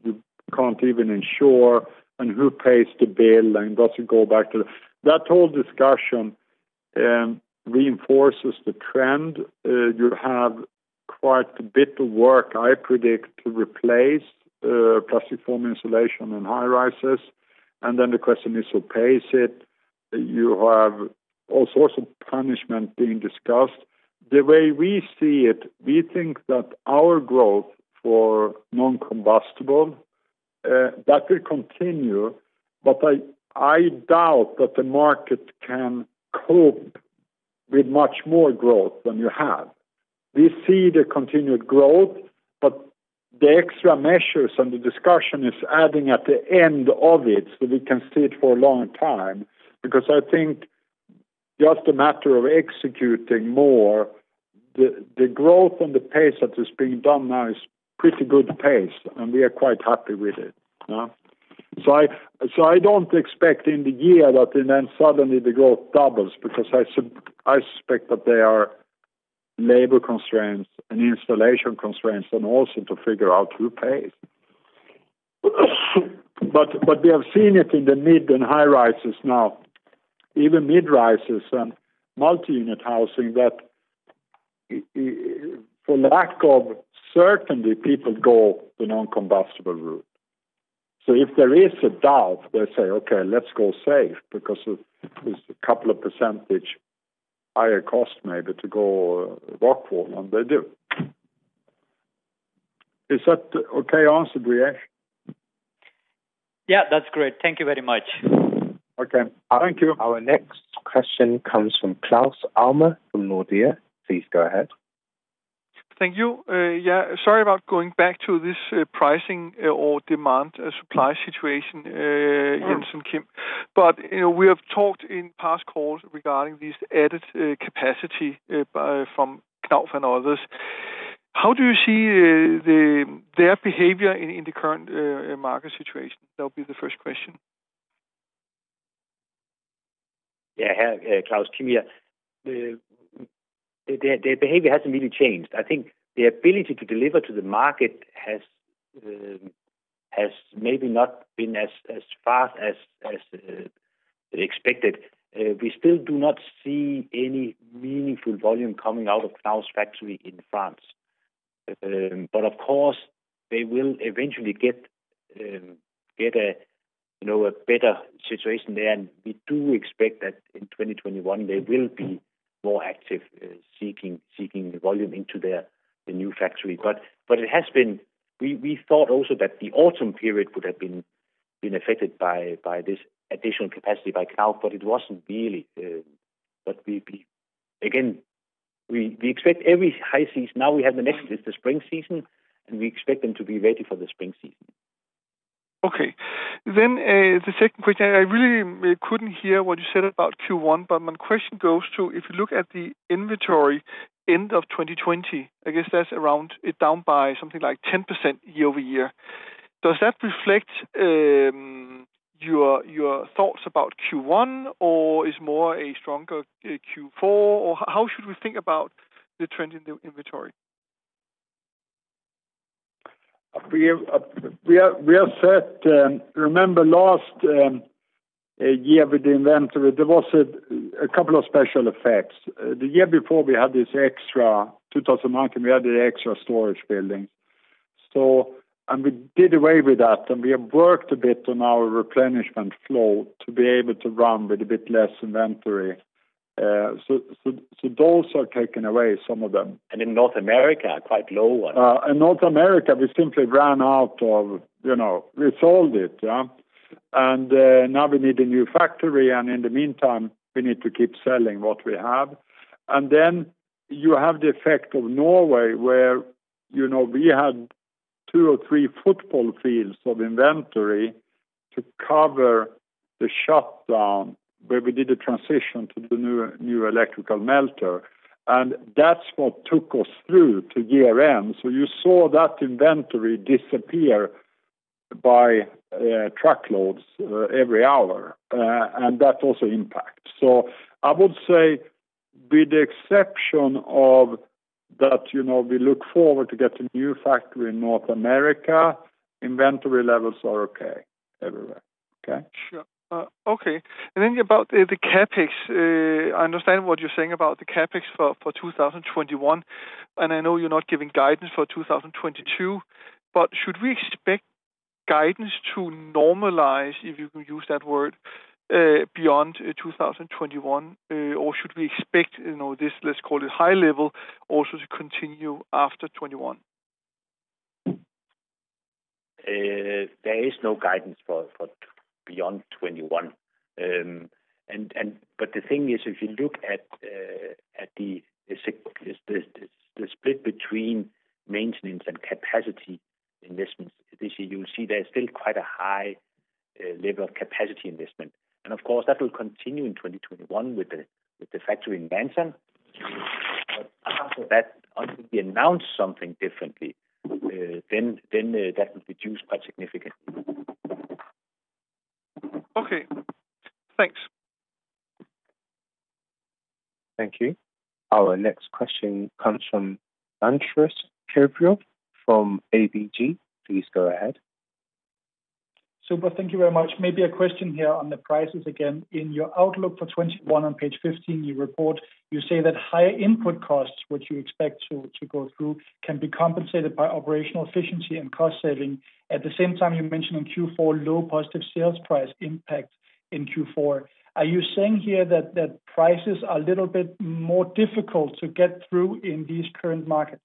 you can't even insure and who pays the bill and does it go back to. That whole discussion reinforces the trend. You have quite a bit of work, I predict, to replace plastic foam insulation in high-rises. The question is who pays it? You have all sorts of punishment being discussed. The way we see it, we think that our growth for non-combustible, that will continue. I doubt that the market can cope with much more growth than you have. We see the continued growth, but the extra measures and the discussion is adding at the end of it, so we can see it for a long time because I think just a matter of executing more, the growth and the pace that is being done now is pretty good pace, and we are quite happy with it. I don't expect in the year that then suddenly the growth doubles because I suspect that there are labor constraints and installation constraints and also to figure out who pays. We have seen it in the mid and high-rises now, even mid-rises and multi-unit housing, that for lack of certainty, people go the non-combustible route. If there is a doubt, they say, okay, let's go safe because it's a couple of % higher cost maybe to go Rockwool, and they do. Is that okay answered, Brijesh Yeah, that's great. Thank you very much. Okay. Thank you. Our next question comes from Claus Almer from Nordea. Please go ahead. Thank you. Sorry about going back to this pricing or demand supply situation, Jens, Kim. We have talked in past calls regarding this added capacity from Knauf and others. How do you see their behavior in the current market situation? That will be the first question. Yeah. Claus, Kim here. Their behavior hasn't really changed. I think their ability to deliver to the market has maybe not been as fast as expected. We still do not see any meaningful volume coming out of Knauf's factory in France. Of course, they will eventually get a better situation there, and we do expect that in 2021, they will be more active in seeking volume into their new factory. We thought also that the autumn period would have been affected by this additional capacity by Knauf, but it wasn't really. Again, we expect every high season. Now we have the next, it's the spring season, and we expect them to be ready for the spring season. Okay. The second question, I really couldn't hear what you said about Q1, but my question goes to, if you look at the inventory end of 2020, I guess that's around down by something like 10% year-over-year. Does that reflect your thoughts about Q1, or is more a stronger Q4? How should we think about the trend in the inventory? Remember last year with the inventory, there was a couple of special effects. The year before, 2019, we had the extra storage building. We did away with that, and we have worked a bit on our replenishment flow to be able to run with a bit less inventory. Those are taken away, some of them. In North America, quite low. In North America, we sold it. Now we need a new factory, and in the meantime, we need to keep selling what we have. You have the effect of Norway, where we had two or three football fields of inventory to cover the shutdown where we did the transition to the new electrical melter. That's what took us through to year-end. You saw that inventory disappear by truckloads every hour. That also impacts. I would say with the exception of that, we look forward to get a new factory in North America, inventory levels are okay everywhere. Okay? Sure. Okay. About the CapEx. I understand what you're saying about the CapEx for 2021, and I know you're not giving guidance for 2022, but should we expect guidance to normalize, if you can use that word, beyond 2021, or should we expect this, let's call it high level, also to continue after 2021? There is no guidance for beyond 2021. The thing is, if you look at the split between maintenance and capacity investments this year, you will see there is still quite a high level of capacity investment. Of course, that will continue in 2021 with the factory in Ranson. After that, until we announce something differently, then that will reduce quite significantly. Okay, thanks. Thank you. Our next question comes from Andreas Kypriou from ABG. Please go ahead. Super. Thank you very much. Maybe a question here on the prices again. In your outlook for 2021 on page 15, you report, you say that higher input costs, which you expect to go through, can be compensated by operational efficiency and cost saving. At the same time, you mentioned in Q4, low positive sales price impact in Q4. Are you saying here that prices are a little bit more difficult to get through in these current markets?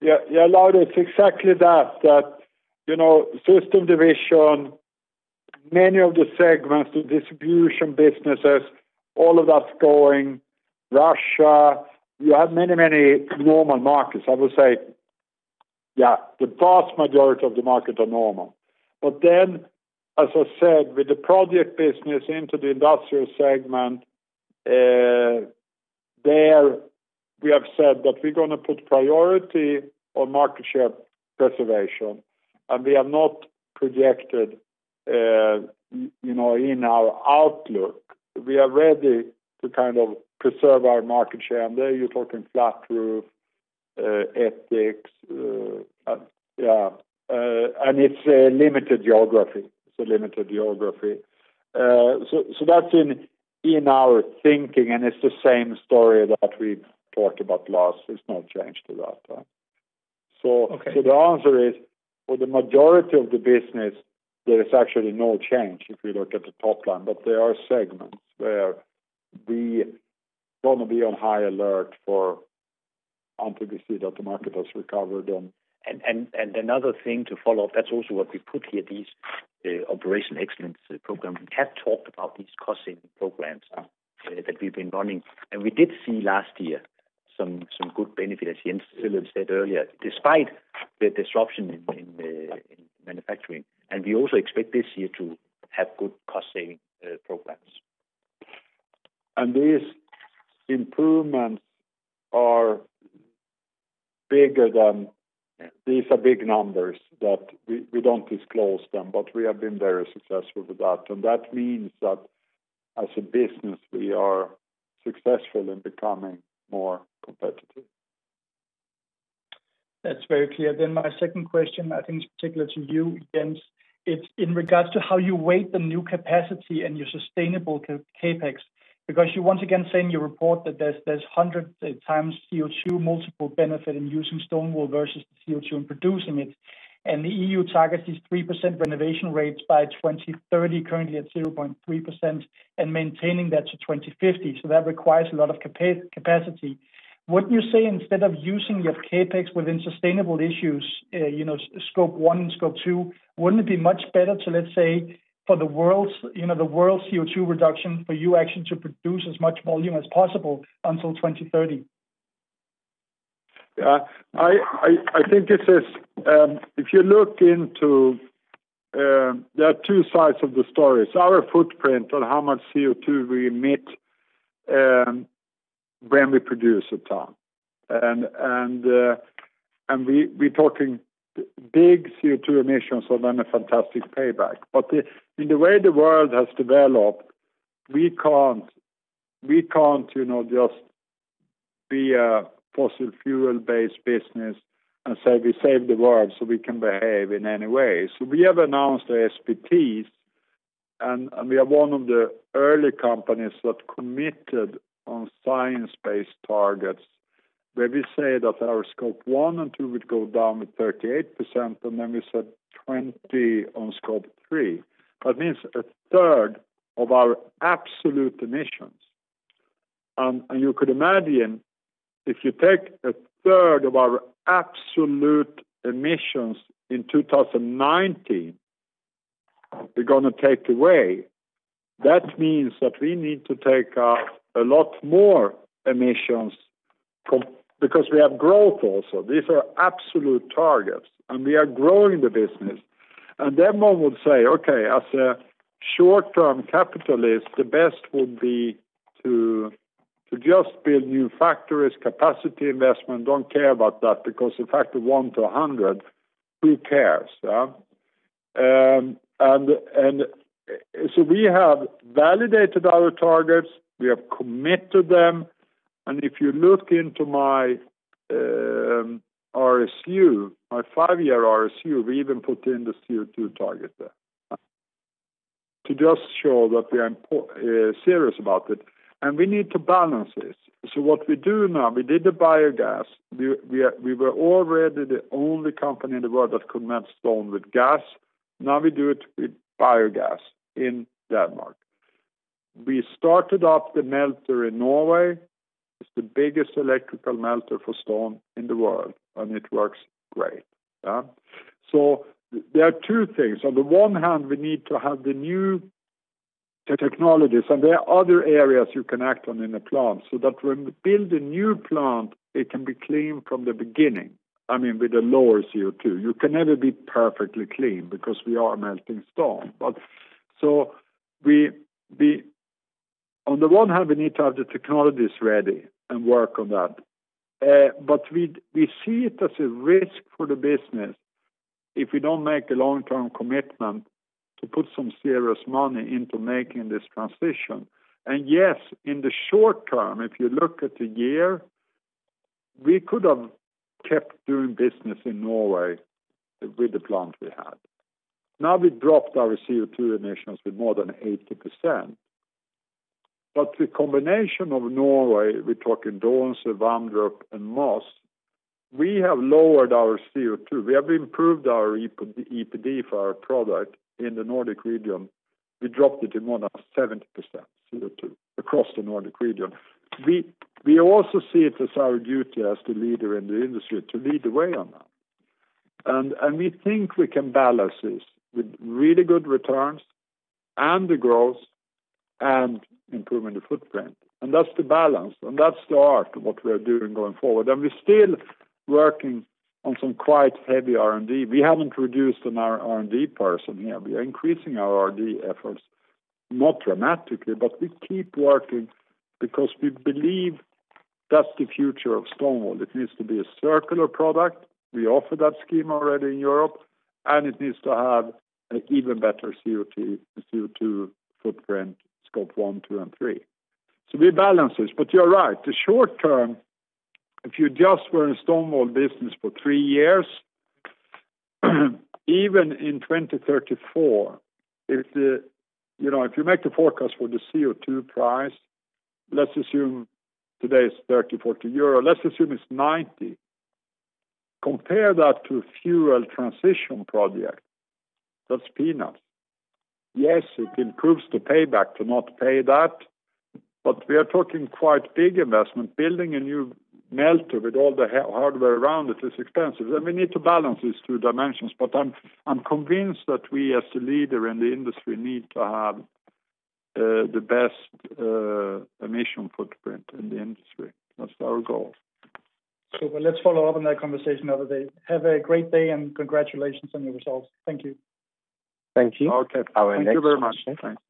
Yeah, [Lauri], it's exactly that. System division, many of the segments, the distribution businesses, all of that's going, Russia. You have many normal markets. I would say, yeah, the vast majority of the markets are normal. As I said, with the project business into the industrial segment, there we have said that we're going to put priority on market share preservation, and we have not projected in our outlook. We are ready to preserve our market share, there you're talking flat roof, ETICS, and it's a limited geography. That's in our thinking, and it's the same story that we've talked about last. There's no change to that. Okay. The answer is, for the majority of the business, there is actually no change if you look at the top line. There are segments where we going to be on high alert for, until we see that the market has recovered. Another thing to follow, that's also what we put here, these. The Operation Excellence Program. We have talked about these cost-saving programs that we've been running, and we did see last year some good benefit, as Jens Birgersson said earlier, despite the disruption in manufacturing. We also expect this year to have good cost-saving programs. These improvements are big numbers that we don't disclose them, but we have been very successful with that. That means that as a business, we are successful in becoming more competitive. That's very clear. My second question, I think it's particular to you, Jens. It's in regards to how you weight the new capacity and your sustainable CapEx. You once again say in your report that there's 100 times CO2 multiple benefit in using stone wool versus the CO2 in producing it. The EU targets these 3% renovation rates by 2030, currently at 0.3%, and maintaining that to 2050. That requires a lot of capacity. Wouldn't you say instead of using your CapEx within sustainable issues, Scope 1 and Scope 2, wouldn't it be much better to, let's say, for the world's CO2 reduction, for you actually to produce as much volume as possible until 2030? There are two sides of the story. Our footprint on how much CO2 we emit when we produce a ton, and we're talking big CO2 emissions and then a fantastic payback. In the way the world has developed, we can't just be a fossil fuel-based business and say we save the world so we can behave in any way. We have announced our SBTs, and we are one of the early companies that committed on Science-Based Targets, where we say that our Scope 1 and 2 would go down with 38%, and then we said 20 on Scope 3. That means a third of our absolute emissions. You could imagine if you take a third of our absolute emissions in 2019, we're going to take away. That means that we need to take out a lot more emissions because we have growth also. These are absolute targets. We are growing the business. One would say, okay, as a short-term capitalist, the best would be to just build new factories, capacity investment, don't care about that, because the factor of one to 100, who cares? We have validated our targets. We have committed them. If you look into my RSU, my five-year RSU, we even put in the CO2 target there to just show that we are serious about it. We need to balance this. What we do now, we did the biogas. We were already the only company in the world that could melt stone with gas. Now we do it with biogas in Denmark. We started up the melter in Norway. It's the biggest electrical melter for stone in the world, and it works great. There are two things. On the one hand, we need to have the new technologies, and there are other areas you can act on in a plant, so that when we build a new plant, it can be clean from the beginning. I mean, with a lower CO2. You can never be perfectly clean because we are melting stone. On the one hand, we need to have the technologies ready and work on that. We see it as a risk for the business if we don't make a long-term commitment to put some serious money into making this transition. Yes, in the short term, if you look at the year, we could have kept doing business in Norway with the plant we had. We dropped our CO2 emissions with more than 80%. The combination of Norway, we're talking Doense, Vamdrup, and Moss, we have lowered our CO2. We have improved our EPD for our product in the Nordic region. We dropped it in more than 70% CO2 across the Nordic region. We also see it as our duty as the leader in the industry to lead the way on that. We think we can balance this with really good returns and the growth and improving the footprint. That's the balance, and that's the art of what we are doing going forward. We're still working on some quite heavy R&D. We haven't reduced on our R&D person here. We are increasing our R&D efforts. Not dramatically, but we keep working because we believe that's the future of stone wool. It needs to be a circular product. We offer that scheme already in Europe, and it needs to have an even better CO2 footprint, Scope 1, two, and three. We balance this. You're right. The short term, if you just were in stone wool business for three years, even in 2034, if you make the forecast for the CO2 price, let's assume today it's 30-40 euro. Let's assume it's 90. Compare that to fuel transition project. That's peanuts. Yes, it improves the payback to not pay that. We are talking quite big investment. Building a new smelter with all the hardware around it is expensive, and we need to balance these two dimensions. I'm convinced that we, as the leader in the industry, need to have the best emission footprint in the industry. That's our goal. Super. Let's follow up on that conversation the other day. Have a great day, and congratulations on your results. Thank you. Thank you. Okay. Thank you very much. Our next question. Thanks.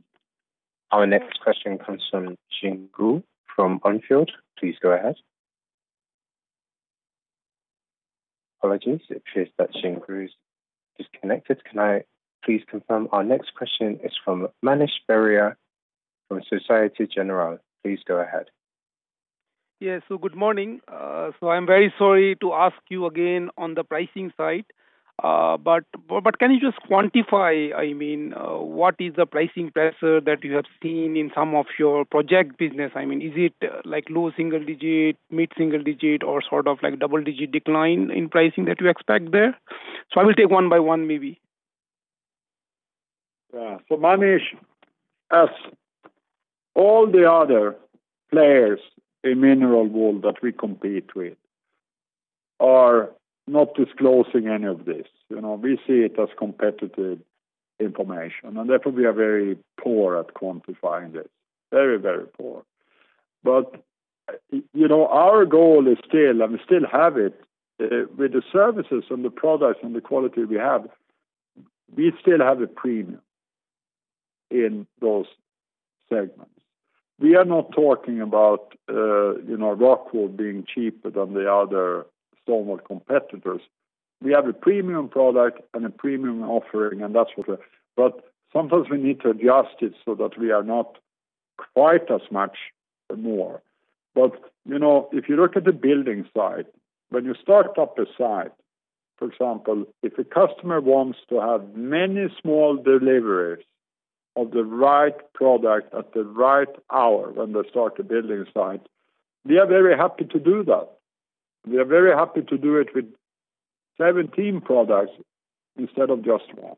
Our next question comes from Jing Gu from Onfield. Please go ahead. Apologies. It appears that Jing Gu's disconnected. Can I please confirm? Our next question is from Manish Beria from Société Générale. Please go ahead. Yes. Good morning. I'm very sorry to ask you again on the pricing side, but can you just quantify what is the pricing pressure that you have seen in some of your project business? Is it low single-digit, mid single-digit, or sort of double-digit decline in pricing that you expect there? I will take one by one, maybe. Yeah. Manish, as all the other players in mineral wool that we compete with are not disclosing any of this. We see it as competitive information, and therefore, we are very poor at quantifying it. Very poor. Our goal is still, and we still have it, with the services and the products and the quality we have, we still have a premium in those segments. We are not talking about Rockwool being cheaper than the other stone wool competitors. We have a premium product and a premium offering. Sometimes we need to adjust it so that we are not quite as much more. If you look at the building side, when you start up a site, for example, if a customer wants to have many small deliveries of the right product at the right hour when they start the building site, we are very happy to do that. We are very happy to do it with 17 products instead of just one.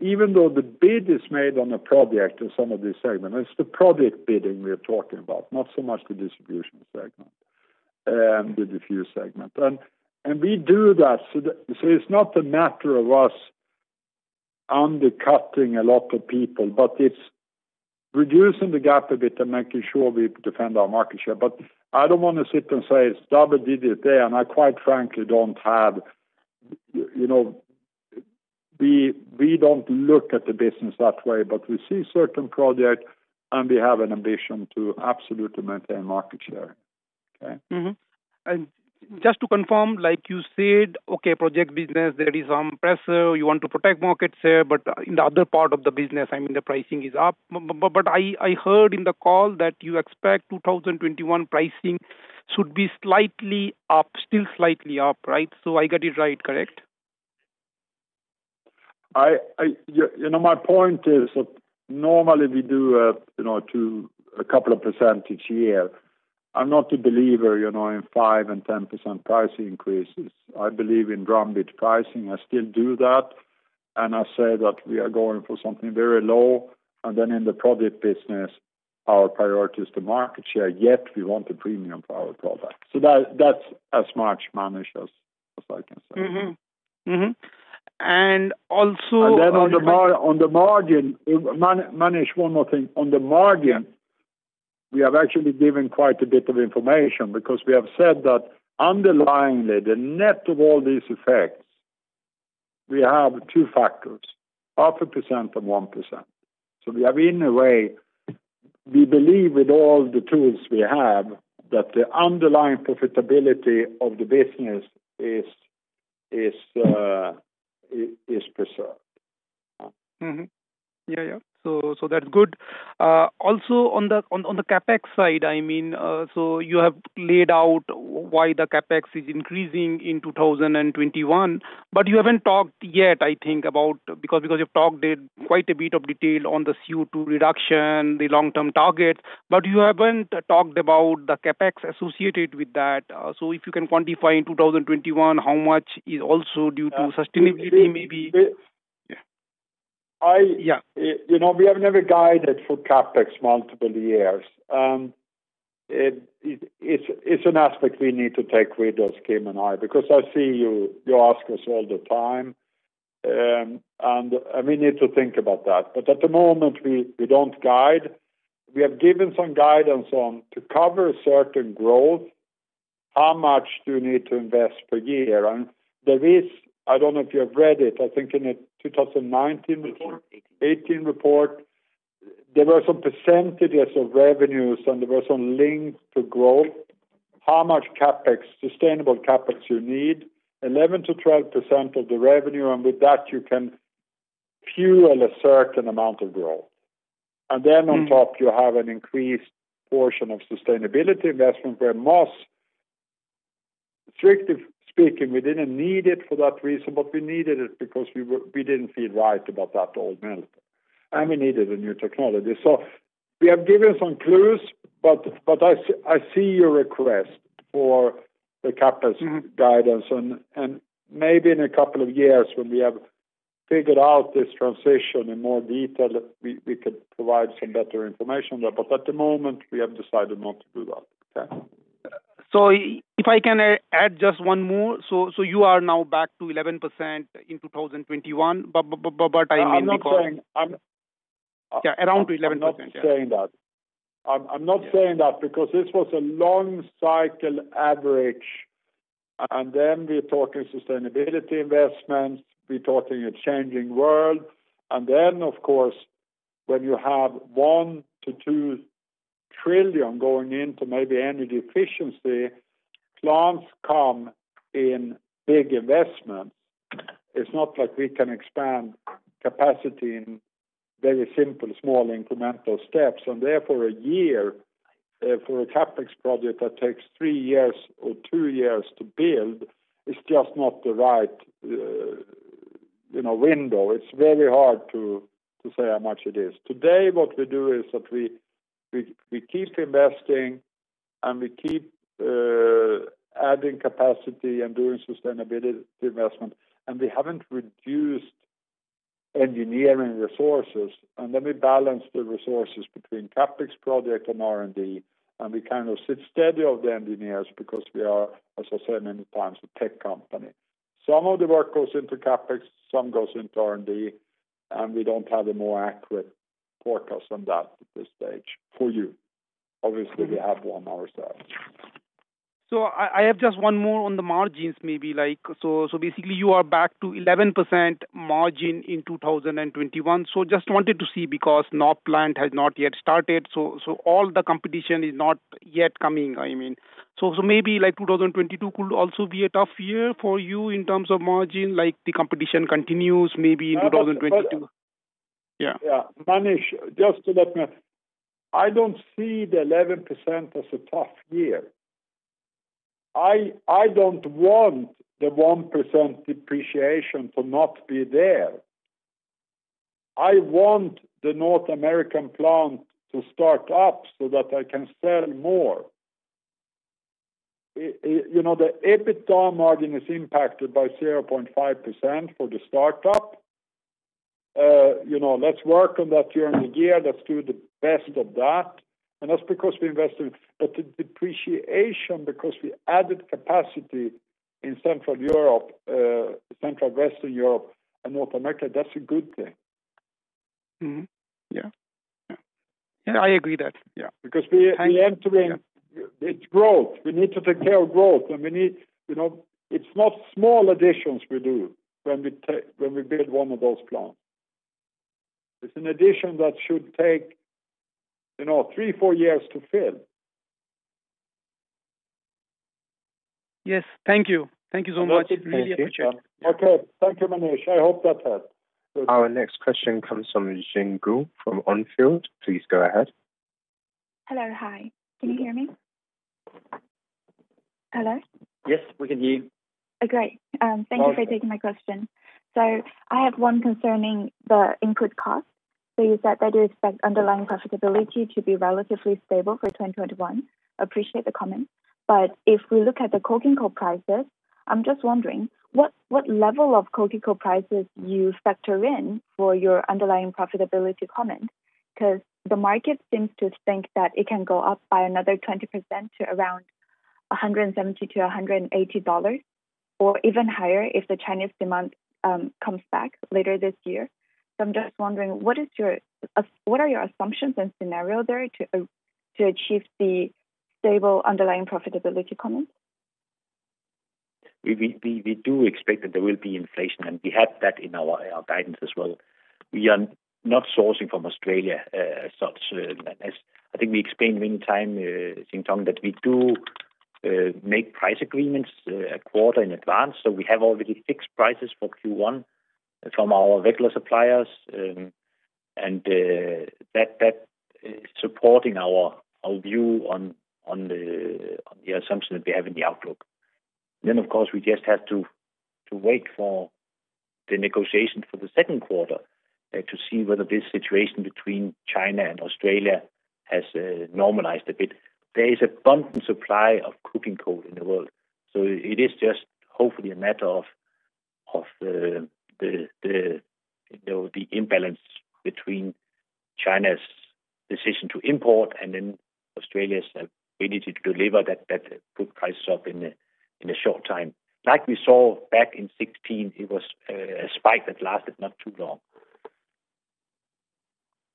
Even though the bid is made on a project in some of these segments, it's the project bidding we are talking about, not so much the distribution segment, the diffuse segment. We do that so that it's not a matter of us undercutting a lot of people, but it's reducing the gap a bit and making sure we defend our market share. I don't want to sit and say it's double-digit there. We don't look at the business that way, but we see certain projects, and we have an ambition to absolutely maintain market share. Okay. Just to confirm, like you said, okay, project business, there is some pressure. You want to protect market share, in the other part of the business, the pricing is up. I heard in the call that you expect 2021 pricing should be still slightly up, right? I got it right, correct? My point is that normally we do a couple of percentage here. I'm not a believer in five and 10% price increases. I believe in drum beat pricing. I still do that, and I say that we are going for something very low. Then in the project business, our priority is the market share, yet we want a premium for our product. That's as much, Manish, as I can say. Mm-hmm. On the margin, Manish, one more thing. On the margin, we have actually given quite a bit of information because we have said that underlying the net of all these effects, we have two factors, half a percent and 1%. We have, in a way, we believe with all the tools we have, that the underlying profitability of the business is preserved. Mm-hmm. Yeah. That's good. Also on the CapEx side, you have laid out why the CapEx is increasing in 2021, but you haven't talked yet, I think, about, because you've talked in quite a bit of detail on the CO2 reduction, the long-term target, but you haven't talked about the CapEx associated with that. If you can quantify in 2021 how much is also due to sustainability, maybe. We- Yeah We have never guided for CapEx multiple years. It’s an aspect we need to take with us, Kim and I, because I see you ask us all the time, and we need to think about that. At the moment, we don’t guide. We have given some guidance on to cover a certain growth, how much do you need to invest per year? There is, I don’t know if you have read it, I think in the 2019-. Report 2018 report, there were some percentages of revenues. There were some links to growth. How much sustainable CapEx you need? 11%-12% of the revenue. With that, you can fuel a certain amount of growth. On top, you have an increased portion of sustainability investment, where most, strictly speaking, we didn't need it for that reason, but we needed it because we didn't feel right about that old smelter, and we needed a new technology. We have given some clues, but I see your request for the CapEx guidance, and maybe in a couple of years when we have figured out this transition in more detail, we could provide some better information there. At the moment, we have decided not to do that. Okay. If I can add just one more. You are now back to 11% in 2021, but by timing. I'm not saying- Yeah, around 11%. Yeah. I'm not saying that. I'm not saying that because this was a long cycle average, we're talking sustainability investments, we're talking a changing world. Of course, when you have 1 trillion-2 trillion going into maybe energy efficiency, plants come in big investments. It's not like we can expand capacity in very simple, small incremental steps. Therefore, a year for a CapEx project that takes three years or two years to build is just not the right window. It's very hard to say how much it is. Today, what we do is that we keep investing, and we keep adding capacity and doing sustainability investment, and we haven't reduced engineering resources. We balance the resources between CapEx project and R&D, and we kind of sit steady of the engineers because we are, as I said many times, a tech company. Some of the work goes into CapEx, some goes into R&D. We don't have a more accurate forecast on that at this stage for you. Obviously, we have one ourselves. I have just one more on the margins maybe. Basically, you are back to 11% margin in 2021. Just wanted to see because no plant has not yet started, so all the competition is not yet coming, I mean. Maybe 2022 could also be a tough year for you in terms of margin, like the competition continues maybe in 2022. Yeah. Yeah. Manish, just to let me I don't see the 11% as a tough year. I don't want the 1% depreciation to not be there. I want the North American plant to start up so that I can sell more. The EBITDA margin is impacted by 0.5% for the start-up. Let's work on that during the year, let's do the best of that. That's because we invested. The depreciation, because we added capacity in Central Western Europe and North America, that's a good thing. Mm-hmm. Yeah. I agree that. Yeah. It's growth. We need to take care of growth. It's not small additions we do when we build one of those plants. It's an addition that should take three, four years to fill. Yes. Thank you. Thank you so much. Okay. Thank you, Manish. I hope that helped. Our next question comes from Jing Gu from Onfield. Please go ahead. Hello. Hi. Can you hear me? Hello? Yes, we can hear you. Great. Thank you for taking my question. I have one concerning the input cost. You said that you expect underlying profitability to be relatively stable for 2021. Appreciate the comment. If we look at the coking coal prices, I am just wondering what level of coking coal prices you factor in for your underlying profitability comment? Because the market seems to think that it can go up by another 20% to around DKK 170-DKK 180, or even higher if the Chinese demand comes back later this year. I am just wondering, what are your assumptions and scenario there to achieve the stable underlying profitability comment? We do expect that there will be inflation, and we have that in our guidance as well. We are not sourcing from Australia as such. I think we explained many time, Jing, that we do make price agreements a quarter in advance. We have already fixed prices for Q1 from our regular suppliers, and that is supporting our view on the assumption that we have in the outlook. Of course, we just have to wait for the negotiation for the second quarter to see whether this situation between China and Australia has normalized a bit. There is abundant supply of coking coal in the world. It is just hopefully a matter of the imbalance between China's decision to import and then Australia's ability to deliver that put prices up in a short time. Like we saw back in 2016, it was a spike that lasted not too long.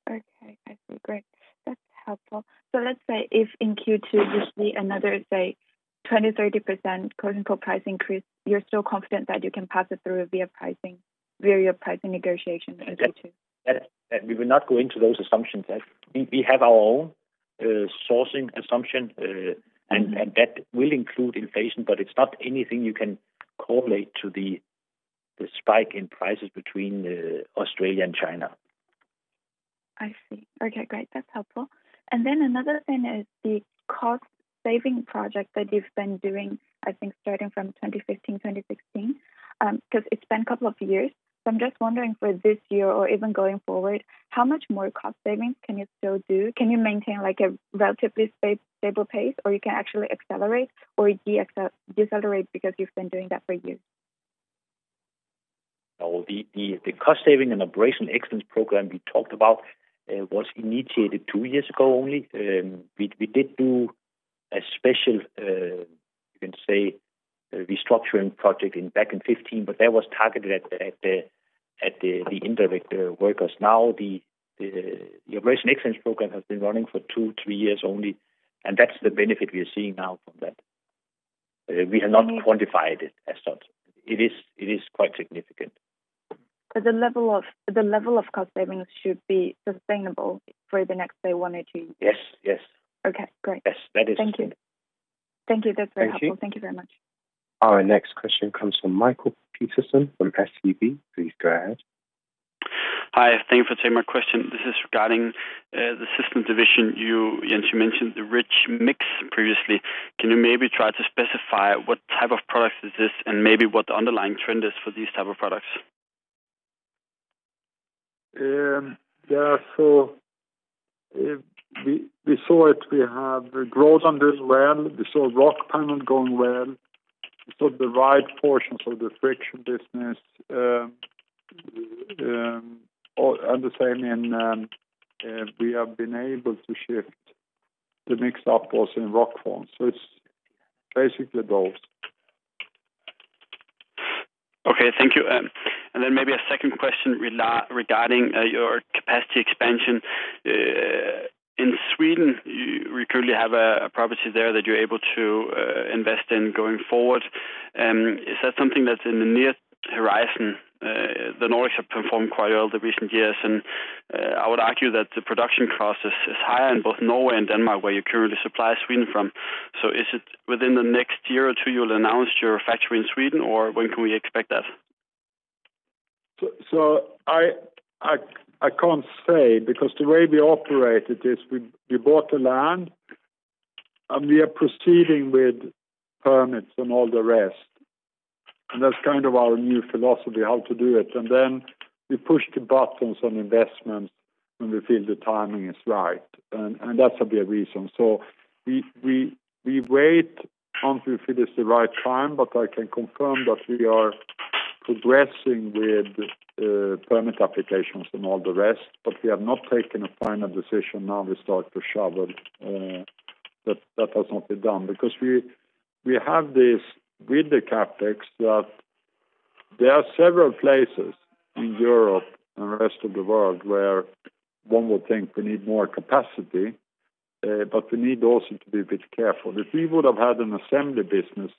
Okay. I see. Great. That's helpful. Let's say if in Q2 you see another, say, 20, 30% coking coal price increase, you're still confident that you can pass it through via pricing negotiations in Q2? We will not go into those assumptions. We have our own sourcing assumption, and that will include inflation, but it's not anything you can correlate to the spike in prices between Australia and China. I see. Okay, great. That's helpful. Another thing is the cost-saving project that you've been doing, I think, starting from 2015, 2016, because it's been a couple of years. I'm just wondering for this year or even going forward, how much more cost savings can you still do? Can you maintain a relatively stable pace, or you can actually accelerate or decelerate because you've been doing that for years? The cost-saving and Operational Excellence Program we talked about was initiated two years ago only. We did do a special, you can say, restructuring project back in 2015, that was targeted at the indirect workers. The Operational Excellence Program has been running for two, three years only, that's the benefit we are seeing now from that. We have not quantified it as such. It is quite significant. The level of cost savings should be sustainable for the next, say, one or two years? Yes. Okay, great. Yes. That is true. Thank you. That's very helpful. Thank you. Thank you very much. Our next question comes from Mikael Petersen from SEB. Please go ahead. Hi, thank you for taking my question. This is regarding the systems division. You mentioned the rich mix previously. Can you maybe try to specify what type of product is this and maybe what the underlying trend is for these type of products? Yeah. We saw it. We have growth on this well. We saw Rockpanel going well. We saw the right portions of the friction business, understanding we have been able to shift the mix up what's in Rockfon. It's basically those. Okay, thank you. Then maybe a second question regarding your capacity expansion. In Sweden, you currently have a property there that you're able to invest in going forward. Is that something that's in the near horizon? The Nordics have performed quite well the recent years. I would argue that the production cost is higher in both Norway and Denmark, where you currently supply Sweden from. Is it within the next year or two you'll announce your factory in Sweden, or when can we expect that? I can't say, because the way we operate it is we bought the land, and we are proceeding with permits and all the rest, and that's kind of our new philosophy, how to do it. Then we push the buttons on investments when we feel the timing is right, and that's a big reason. We wait until we feel it's the right time, but I can confirm that we are progressing with permit applications and all the rest, but we have not taken a final decision now we start to shovel. That has not been done, because we have this with the CapEx, that there are several places in Europe and the rest of the world where one would think we need more capacity, but we need also to be a bit careful. If we would have had an assembly business,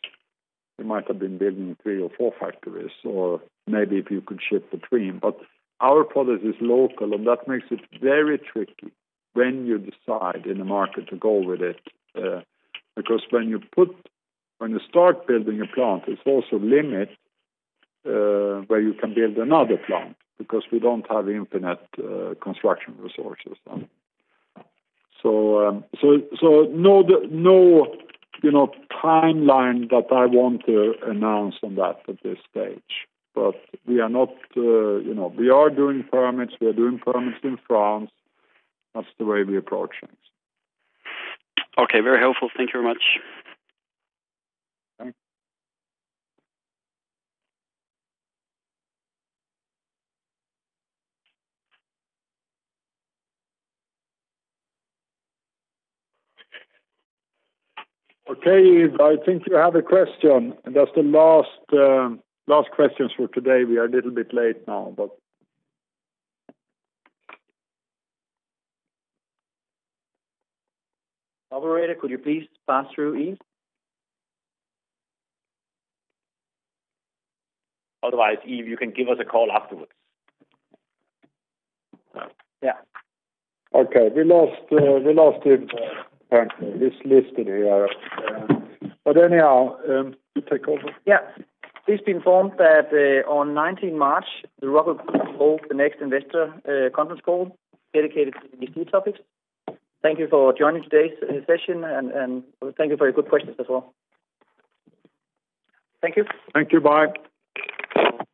we might have been building three or four factories, or maybe if you could ship between. Our product is local, and that makes it very tricky when you decide in a market to go with it. When you start building a plant, it's also limit where you can build another plant because we don't have infinite construction resources. No timeline that I want to announce on that at this stage. We are doing permits, we are doing permits in France. That's the way we approach things. Okay. Very helpful. Thank you very much. Okay. I think you have a question. That's the last questions for today. We are a little bit late now. Operator, could you please pass through Yves? Otherwise, Yves, you can give us a call afterwards. Yeah. Okay. We lost Yves apparently. It's listed here. Anyhow, you take over. Please be informed that on 19 March, Rockwool will hold the next investor conference call dedicated to these two topics. Thank you for joining today's session, and thank you for your good questions as well. Thank you. Thank you. Bye. Bye.